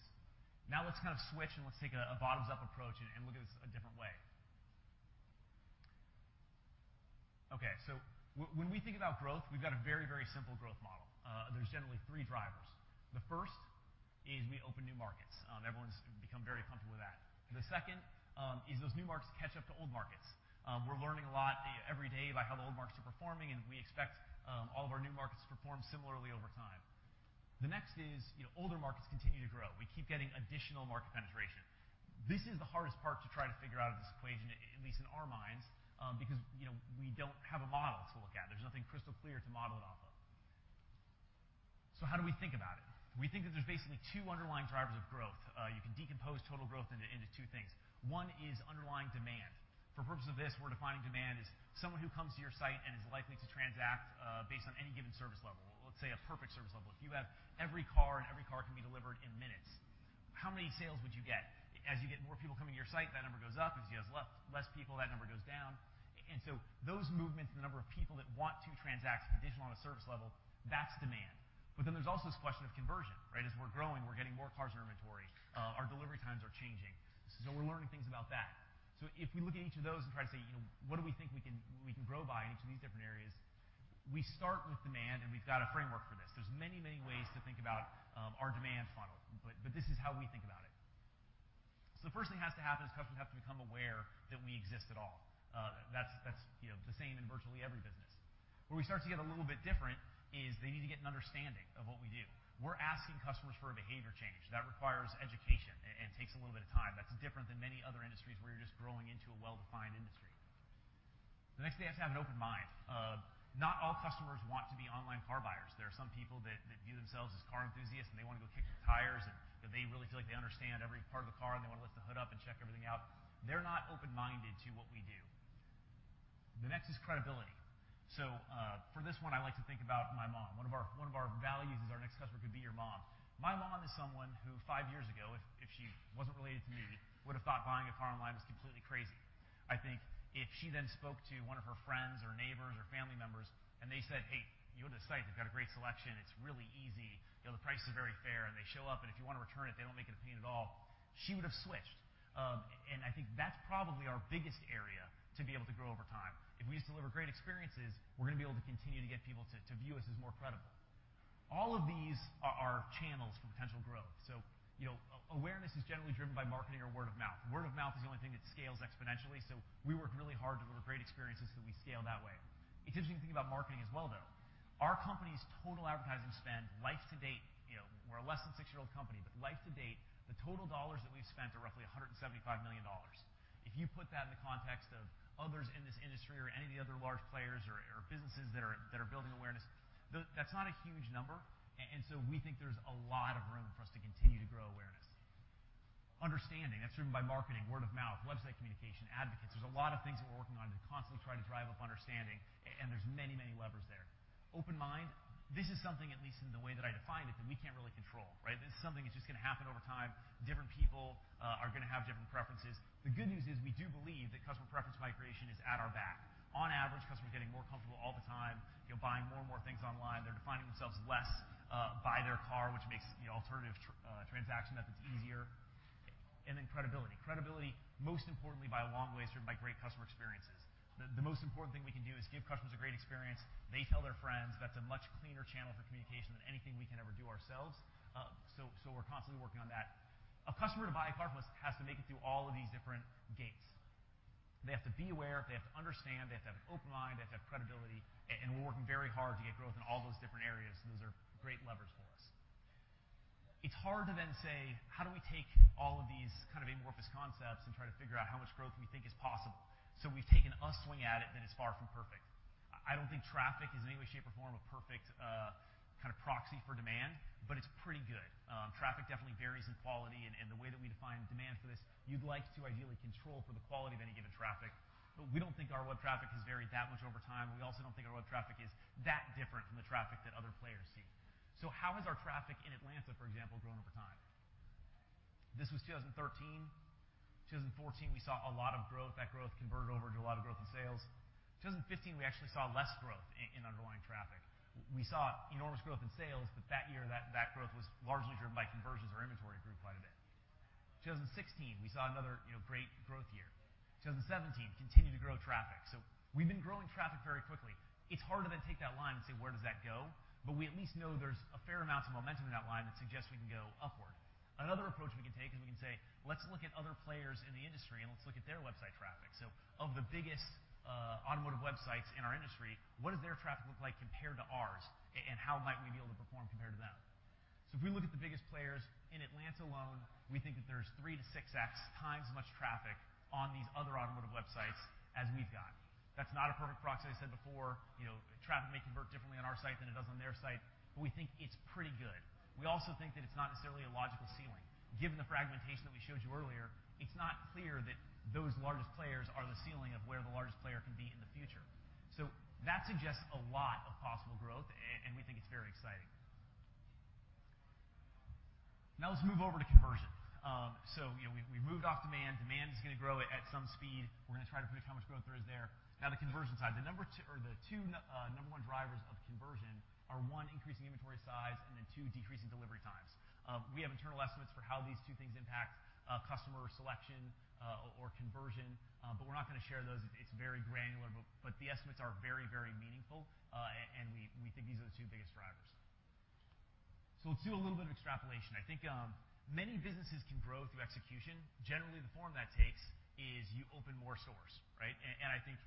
Let's kind of switch and let's take a bottoms-up approach and look at this a different way. When we think about growth, we've got a very simple growth model. There's generally three drivers. The first is we open new markets. Everyone's become very comfortable with that. The second is those new markets catch up to old markets. We're learning a lot every day about how the old markets are performing, and we expect all of our new markets to perform similarly over time. The next is older markets continue to grow. We keep getting additional market penetration. This is the hardest part to try to figure out of this equation, at least in our minds, because we don't have a model to look at. There's nothing crystal clear to model it off of. How do we think about it? We think that there's basically two underlying drivers of growth. You can decompose total growth into two things. One is underlying demand. For purposes of this, we're defining demand as someone who comes to your site and is likely to transact based on any given service level, let's say a perfect service level. If you have every car and every car can be delivered in minutes, how many sales would you get? As you get more people coming to your site, that number goes up. As you have less people, that number goes down. Those movements in the number of people that want to transact conditional on a service level, that's demand. There's also this question of conversion, right? As we're growing, we're getting more cars in our inventory. Our delivery times are changing. We're learning things about that. If we look at each of those and try to say, what do we think we can grow by in each of these different areas? We start with demand, and we've got a framework for this. There's many ways to think about our demand funnel, but this is how we think about it. The first thing has to happen is customers have to become aware that we exist at all. That's the same in virtually every business. Where we start to get a little bit different is they need to get an understanding of what we do. We're asking customers for a behavior change. That requires education and takes a little bit of time. That's different than many other industries where you're just growing into a well-defined industry. The next thing, they have to have an open mind. Not all customers want to be online car buyers. There are some people that view themselves as car enthusiasts, and they want to go kick the tires, and they really feel like they understand every part of the car, and they want to lift the hood up and check everything out. They're not open-minded to what we do. The next is credibility. For this one, I like to think about my mom. One of our values is our next customer could be your mom. My mom is someone who, five years ago, if she wasn't related to me, would have thought buying a car online was completely crazy. I think if she then spoke to one of her friends or neighbors or family members and they said, "Hey, you go to this site, they've got a great selection. It's really easy. The prices are very fair, and they show up, and if you want to return it, they don't make it a pain at all," she would have switched. I think that's probably our biggest area to be able to grow over time. If we just deliver great experiences, we're going to be able to continue to get people to view us as more credible. All of these are channels for potential growth. Awareness is generally driven by marketing or word of mouth. Word of mouth is the only thing that scales exponentially, so we work really hard to deliver great experiences so we scale that way. It's interesting to think about marketing as well, though. Our company's total advertising spend life to date, we're a less than six-year-old company, but life to date, the total dollars that we've spent are roughly $175 million. If you put that in the context of others in this industry or any of the other large players or businesses that are building awareness, that's not a huge number. We think there's a lot of room for us to continue to grow awareness. Understanding, that's driven by marketing, word of mouth, website communication, advocates. There's a lot of things that we're working on to constantly try to drive up understanding, and there's many levers there. Open mind, this is something, at least in the way that I define it, that we can't really control, right? This is something that's just going to happen over time. Different people are going to have different preferences. The good news is we do believe that customer preference migration is at our back. On average, customers are getting more comfortable all the time buying more and more things online. They're defining themselves less by their car, which makes alternative transaction methods easier. Credibility. Credibility, most importantly, by a long way, is driven by great customer experiences. The most important thing we can do is give customers a great experience. They tell their friends. That's a much cleaner channel for communication than anything we can ever do ourselves. We're constantly working on that. A customer to buy a car from us has to make it through all of these different gates. They have to be aware, they have to understand, they have to have an open mind, they have to have credibility, and we're working very hard to get growth in all those different areas, and those are great levers for us. It's hard to say, how do we take all of these kind of amorphous concepts and try to figure out how much growth we think is possible? We've taken a swing at it that is far from perfect. I don't think traffic is in any way, shape, or form a perfect kind of proxy for demand, but it's pretty good. Traffic definitely varies in quality and the way that we define demand for this, you'd like to ideally control for the quality of any given traffic. We don't think our web traffic has varied that much over time. We also don't think our web traffic is that different from the traffic that other players see. How has our traffic in Atlanta, for example, grown over time? This was 2013. 2014, we saw a lot of growth. That growth converted over to a lot of growth in sales. 2015, we actually saw less growth in underlying traffic. We saw enormous growth in sales. That year, that growth was largely driven by conversions. Our inventory grew quite a bit. 2016, we saw another great growth year. 2017, continued to grow traffic. We've been growing traffic very quickly. It's hard to take that line and say, where does that go? We at least know there's a fair amount of momentum in that line that suggests we can go upward. Another approach we can take is we can say, let's look at other players in the industry. Let's look at their website traffic. Of the biggest automotive websites in our industry, what does their traffic look like compared to ours, and how might we be able to perform compared to them? If we look at the biggest players in Atlanta alone, we think that there's 3x-6x as much traffic on these other automotive websites as we've got. That's not a perfect proxy. As I said before, traffic may convert differently on our site than it does on their site. We think it's pretty good. We also think that it's not necessarily a logical ceiling. Given the fragmentation that we showed you earlier, it's not clear that those largest players are the ceiling of where the largest player can be in the future. That suggests a lot of possible growth. We think it's very exciting. Now let's move over to conversion. We moved off demand. Demand is going to grow at some speed. We're going to try to predict how much growth there is there. Now the conversion side. The two number one drivers of conversion are, one, increasing inventory size, and then two, decreasing delivery times. We have internal estimates for how these two things impact customer selection or conversion. We're not going to share those. It's very granular. The estimates are very meaningful. We think these are the two biggest drivers. Let's do a little bit of extrapolation. I think many businesses can grow through execution. Generally, the form that takes is you open more stores, right? I think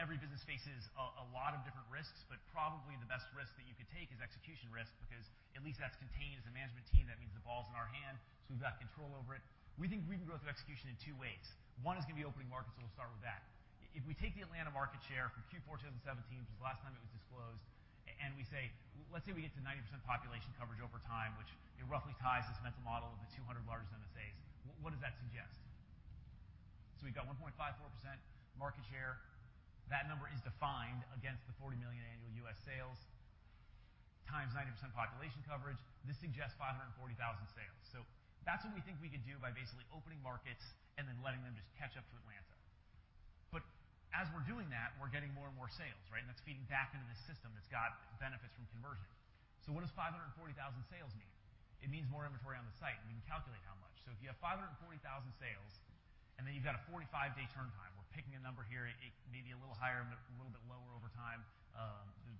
every business faces a lot of different risks. Probably the best risk that you could take is execution risk, because at least that's contained as a management team. That means the ball's in our hand. We've got control over it. We think we can grow through execution in two ways. One is going to be opening markets, and we'll start with that. If we take the Atlanta market share from Q4 2017, which was the last time it was disclosed, we say, let's say we get to 90% population coverage over time, which roughly ties this mental model of the 200 largest MSAs. What does that suggest? We've got 1.54% market share. That number is defined against the 40 million annual U.S. sales times 90% population coverage. This suggests 540,000 sales. That's what we think we could do by basically opening markets and then letting them just catch up to Atlanta. As we're doing that, we're getting more and more sales, right? That's feeding back into this system that's got benefits from conversion. What does 540,000 sales mean? It means more inventory on the site, and we can calculate how much. If you have 540,000 sales and then you've got a 45-day turn time, we're picking a number here. It may be a little higher, but a little bit lower over time.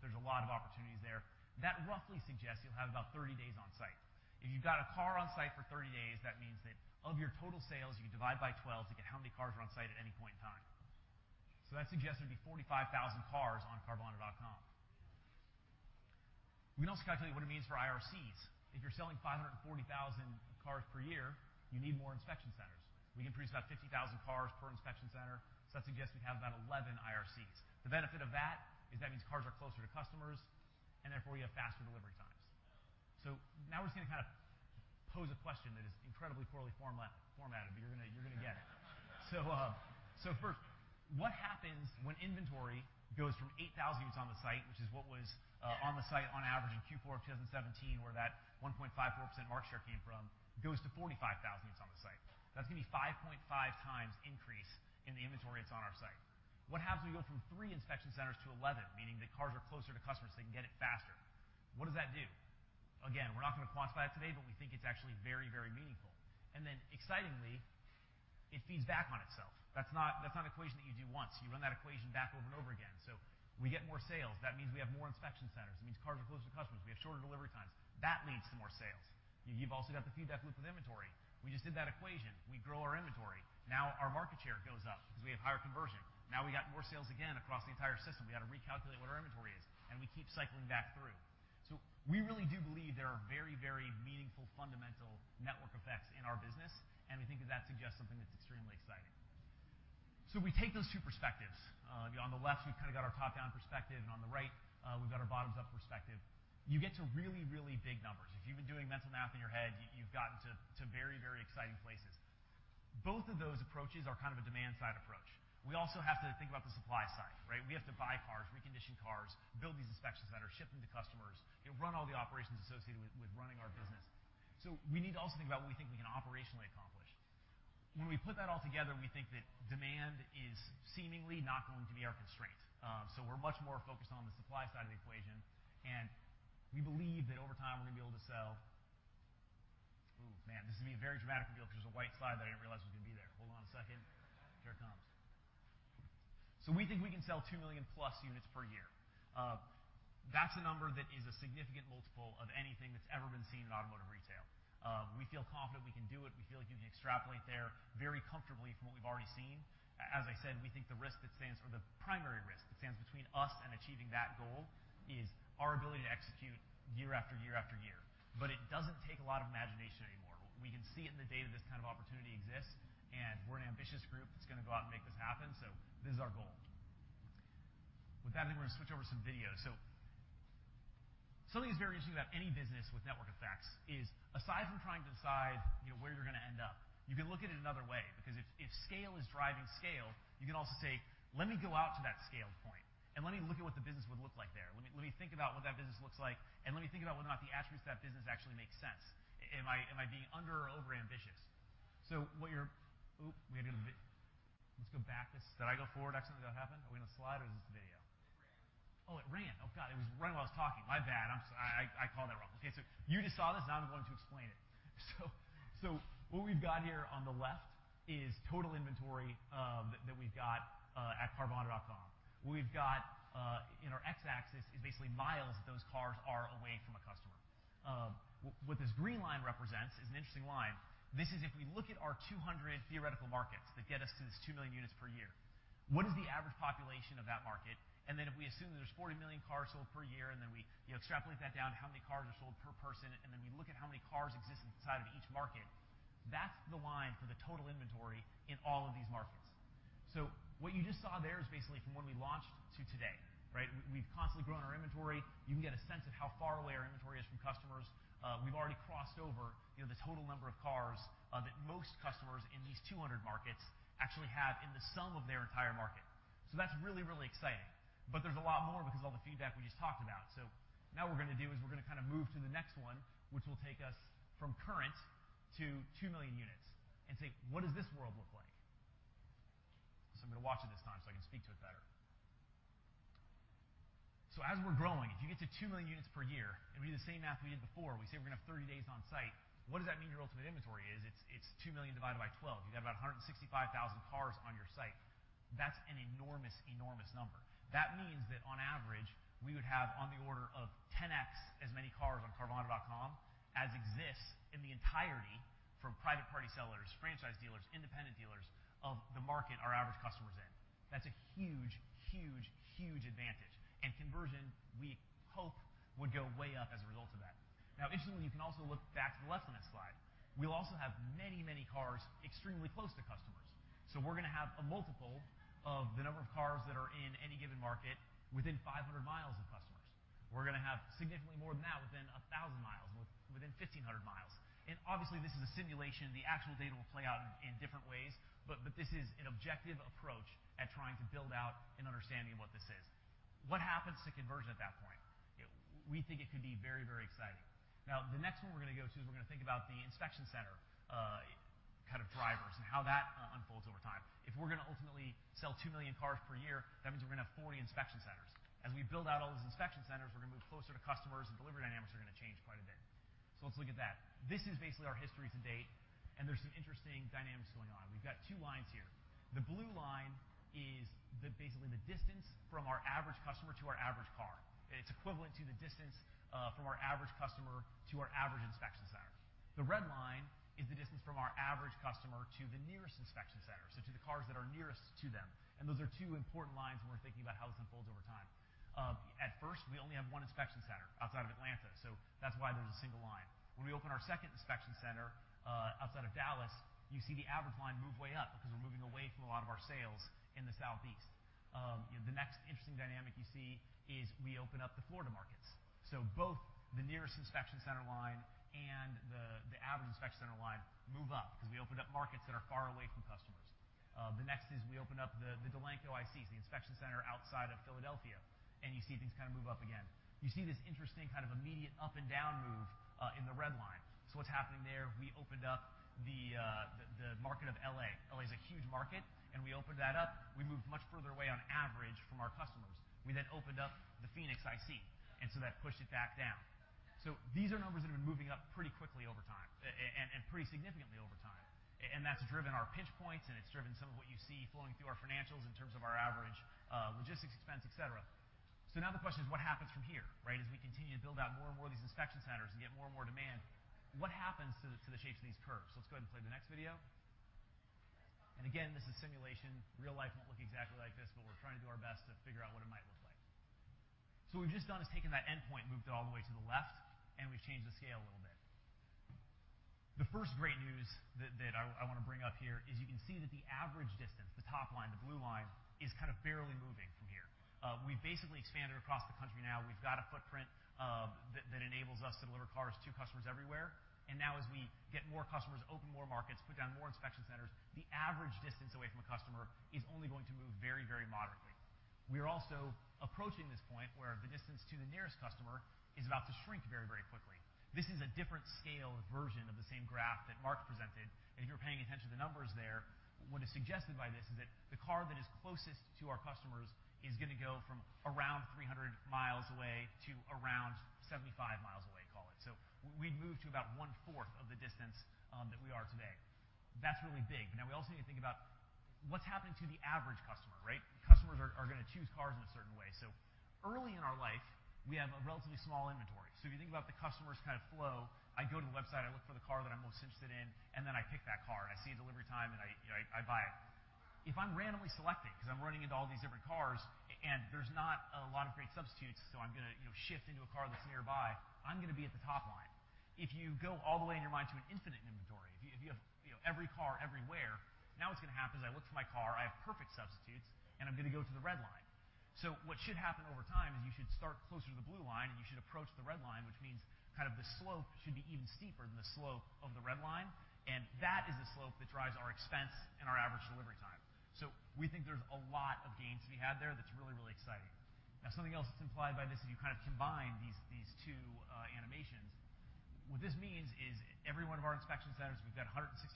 There's a lot of opportunities there. That roughly suggests you'll have about 30 days on site. If you've got a car on site for 30 days, that means that of your total sales, you divide by 12 to get how many cars are on site at any point in time. That suggests there'd be 45,000 cars on carvana.com. We can also calculate what it means for IRCs. If you're selling 540,000 cars per year, you need more inspection centers. We can produce about 50,000 cars per inspection center. That suggests we'd have about 11 IRCs. The benefit of that is that means cars are closer to customers, and therefore you have faster delivery times. Now we're just going to kind of pose a question that is incredibly poorly formatted, but you're going to get it. First, what happens when inventory goes from 8,000 units on the site, which is what was on the site on average in Q4 of 2017, where that 1.54% market share came from, goes to 45,000 units on the site. That's going to be 5.5 times increase in the inventory that's on our site. What happens if we go from 3 inspection centers to 11, meaning that cars are closer to customers, they can get it faster? What does that do? Again, we're not going to quantify it today, but we think it's actually very meaningful. Then excitingly, it feeds back on itself. That's not an equation that you do once. You run that equation back over and over again. We get more sales. That means we have more inspection centers. It means cars are closer to customers. We have shorter delivery times. That leads to more sales. You've also got the feedback loop of inventory. We just did that equation. We grow our inventory. Now our market share goes up because we have higher conversion. Now we got more sales again across the entire system. We got to recalculate what our inventory is, and we keep cycling back through. We really do believe there are very meaningful fundamental network effects in our business, and we think that suggests something that's extremely exciting. We take those two perspectives. On the left, we've kind of got our top-down perspective, and on the right, we've got our bottoms-up perspective. You get to really big numbers. If you've been doing mental math in your head, you've gotten to very exciting places. Both of those approaches are kind of a demand-side approach. We also have to think about the supply side, right? We have to buy cars, recondition cars, build these inspections that are shipped into customers, run all the operations associated with running our business. We need to also think about what we think we can operationally accomplish. When we put that all together, we think that demand is seemingly not going to be our constraint. We're much more focused on the supply side of the equation, and we believe that over time, we're going to be able to sell Ooh, man, this is going to be a very dramatic reveal because there's a white slide that I didn't realize was going to be there. Hold on a second. Here it comes. We think we can sell 2 million-plus units per year. That's a number that is a significant multiple of anything that's ever been seen in automotive retail. We feel confident we can do it. We feel like you can extrapolate there very comfortably from what we've already seen. As I said, we think the risk that stands, or the primary risk that stands between us and achieving that goal is our ability to execute year after year after year. It doesn't take a lot of imagination anymore. We can see it in the data, this kind of opportunity exists, and we're an ambitious group that's going to go out and make this happen. This is our goal. With that, I think we're going to switch over to some video. Something that's very interesting about any business with network effects is aside from trying to decide where you're going to end up, you can look at it another way, because if scale is driving scale, you can also say, "Let me go out to that scale point and let me look at what the business would look like there. Let me think about what that business looks like, and let me think about whether or not the attributes of that business actually make sense. Am I being under or overambitious?" Ooh, we had a little. Let's go back. Did I go forward accidentally? Did that happen? Are we on a slide, or is this the video? It ran. Oh, it ran. Oh, God. It was running while I was talking. My bad. I'm sorry. I called that wrong. You just saw this, now I'm going to explain it. What we've got here on the left is total inventory that we've got at carvana.com. We've got in our x-axis is basically miles that those cars are away from a customer. What this green line represents is an interesting line. This is if we look at our 200 theoretical markets that get us to this 2 million units per year, what is the average population of that market? If we assume that there's 40 million cars sold per year, we extrapolate that down to how many cars are sold per person, and we look at how many cars exist inside of each market, that's the line for the total inventory in all of these markets. What you just saw there is basically from when we launched to today, right? We've constantly grown our inventory. You can get a sense of how far away our inventory is from customers. We've already crossed over the total number of cars that most customers in these 200 markets actually have in the sum of their entire market. That's really, really exciting. There's a lot more because of all the feedback we just talked about. Now what we're going to do is we're going to move to the next one, which will take us from current to 2 million units and say, what does this world look like? I'm going to watch it this time so I can speak to it better. As we're growing, if you get to 2 million units per year, and we do the same math we did before, we say we're going to have 30 days on-site, what does that mean your ultimate inventory is? It's 2 million divided by 12. You've got about 165,000 cars on your site. That's an enormous number. That means that on average, we would have on the order of 10x as many cars on carvana.com as exists in the entirety from private party sellers, franchise dealers, independent dealers of the market our average customer is in. That's a huge, huge, huge advantage. Conversion, we hope, would go way up as a result of that. Now, interestingly, you can also look back to the left on this slide. We'll also have many, many cars extremely close to customers. We're going to have a multiple of the number of cars that are in any given market within 500 miles of customers. We're going to have significantly more than that within 1,000 miles, within 1,500 miles. Obviously, this is a simulation. The actual data will play out in different ways, but this is an objective approach at trying to build out an understanding of what this is. What happens to conversion at that point? We think it could be very, very exciting. The next one we're going to go to is we're going to think about the inspection center kind of drivers and how that unfolds over time. If we're going to ultimately sell 2 million cars per year, that means we're going to have 40 inspection centers. As we build out all those inspection centers, we're going to move closer to customers and delivery dynamics are going to change quite a bit. Let's look at that. This is basically our history to date, and there's some interesting dynamics going on. We've got two lines here. The blue line is basically the distance from our average customer to our average car. It's equivalent to the distance from our average customer to our average inspection center. The red line is the distance from our average customer to the nearest inspection center, so to the cars that are nearest to them, and those are two important lines when we're thinking about how this unfolds over time. At first, we only have one inspection center outside of Atlanta, so that's why there's a single line. When we open our second inspection center outside of Dallas, you see the average line move way up because we're moving away from a lot of our sales in the Southeast. The next interesting dynamic you see is we open up the Florida markets. Both the nearest inspection center line and the average inspection center line move up because we opened up markets that are far away from customers. The next is we open up the Delanco IC, the inspection center outside of Philadelphia, and you see things kind of move up again. You see this interesting kind of immediate up and down move in the red line. What's happening there, we opened up the market of L.A. L.A. is a huge market, and we opened that up. We moved much further away on average from our customers. We then opened up the Phoenix IC, and so that pushed it back down. These are numbers that have been moving up pretty quickly over time and pretty significantly over time, and that's driven our pinch points, and it's driven some of what you see flowing through our financials in terms of our average logistics expense, et cetera. Now the question is, what happens from here, right? As we continue to build out more and more of these inspection centers and get more and more demand, what happens to the shapes of these curves? Let's go ahead and play the next video. Again, this is simulation. Real life won't look exactly like this, but we're trying to do our best to figure out what it might look like. What we've just done is taken that endpoint, moved it all the way to the left, and we've changed the scale a little bit. The first great news that I want to bring up here is you can see that the average distance, the top line, the blue line, is kind of barely moving from here. We've basically expanded across the country now. We've got a footprint that enables us to deliver cars to customers everywhere. Now as we get more customers, open more markets, put down more inspection centers, the average distance away from a customer is only going to move very, very moderately. We are also approaching this point where the distance to the nearest customer is about to shrink very, very quickly. This is a different scale version of the same graph that Mark presented, if you're paying attention to the numbers there, what is suggested by this is that the car that is closest to our customers is going to go from around 300 miles away to around 75 miles away, call it. We'd move to about one-fourth of the distance that we are today. That's really big. Now we also need to think about what's happening to the average customer, right? Customers are going to choose cars in a certain way. Early in our life, we have a relatively small inventory. If you think about the customer's kind of flow, I go to the website, I look for the car that I'm most interested in, I pick that car, I see a delivery time, I buy it. If I'm randomly selecting because I'm running into all these different cars and there's not a lot of great substitutes, I'm going to shift into a car that's nearby, I'm going to be at the top line. If you go all the way in your mind to an infinite inventory, if you have every car everywhere, now what's going to happen is I look for my car, I have perfect substitutes, I'm going to go to the red line. What should happen over time is you should start closer to the blue line, you should approach the red line, which means kind of the slope should be even steeper than the slope of the red line, that is the slope that drives our expense and our average delivery time. We think there's a lot of gains to be had there that's really, really exciting. Now, something else that's implied by this, if you kind of combine these two animations, what this means is every one of our inspection centers, we've got 165,000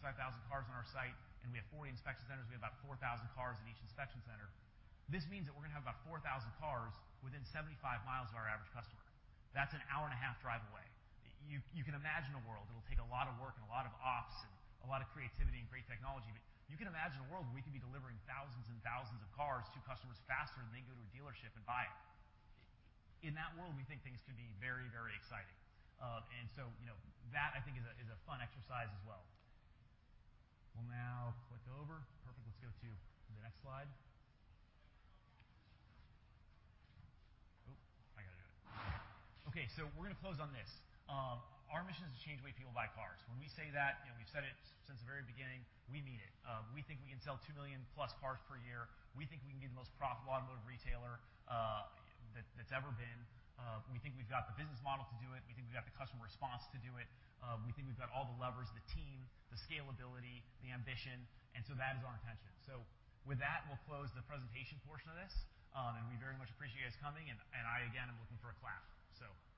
cars on our site, we have 40 inspection centers. We have about 4,000 cars at each inspection center. This means that we're going to have about 4,000 cars within 75 miles of our average customer. That's an hour-and-a-half drive away. You can imagine a world that'll take a lot of work and a lot of ops and a lot of creativity and great technology, you can imagine a world where we can be delivering thousands and thousands of cars to customers faster than they can go to a dealership and buy it. In that world, we think things could be very, very exciting. That I think is a fun exercise as well. We'll now click over. Perfect, let's go to the next slide. Oh, I got to do it. We're going to close on this. Our mission is to change the way people buy cars. When we say that, we've said it since the very beginning, we mean it. We think we can sell 2 million-plus cars per year. We think we can be the most profitable automotive retailer that's ever been. We think we've got the business model to do it. We think we've got the customer response to do it. We think we've got all the levers, the team, the scalability, the ambition. That is our intention. With that, we'll close the presentation portion of this. We very much appreciate you guys coming, and I again am looking for a clap, so thanks.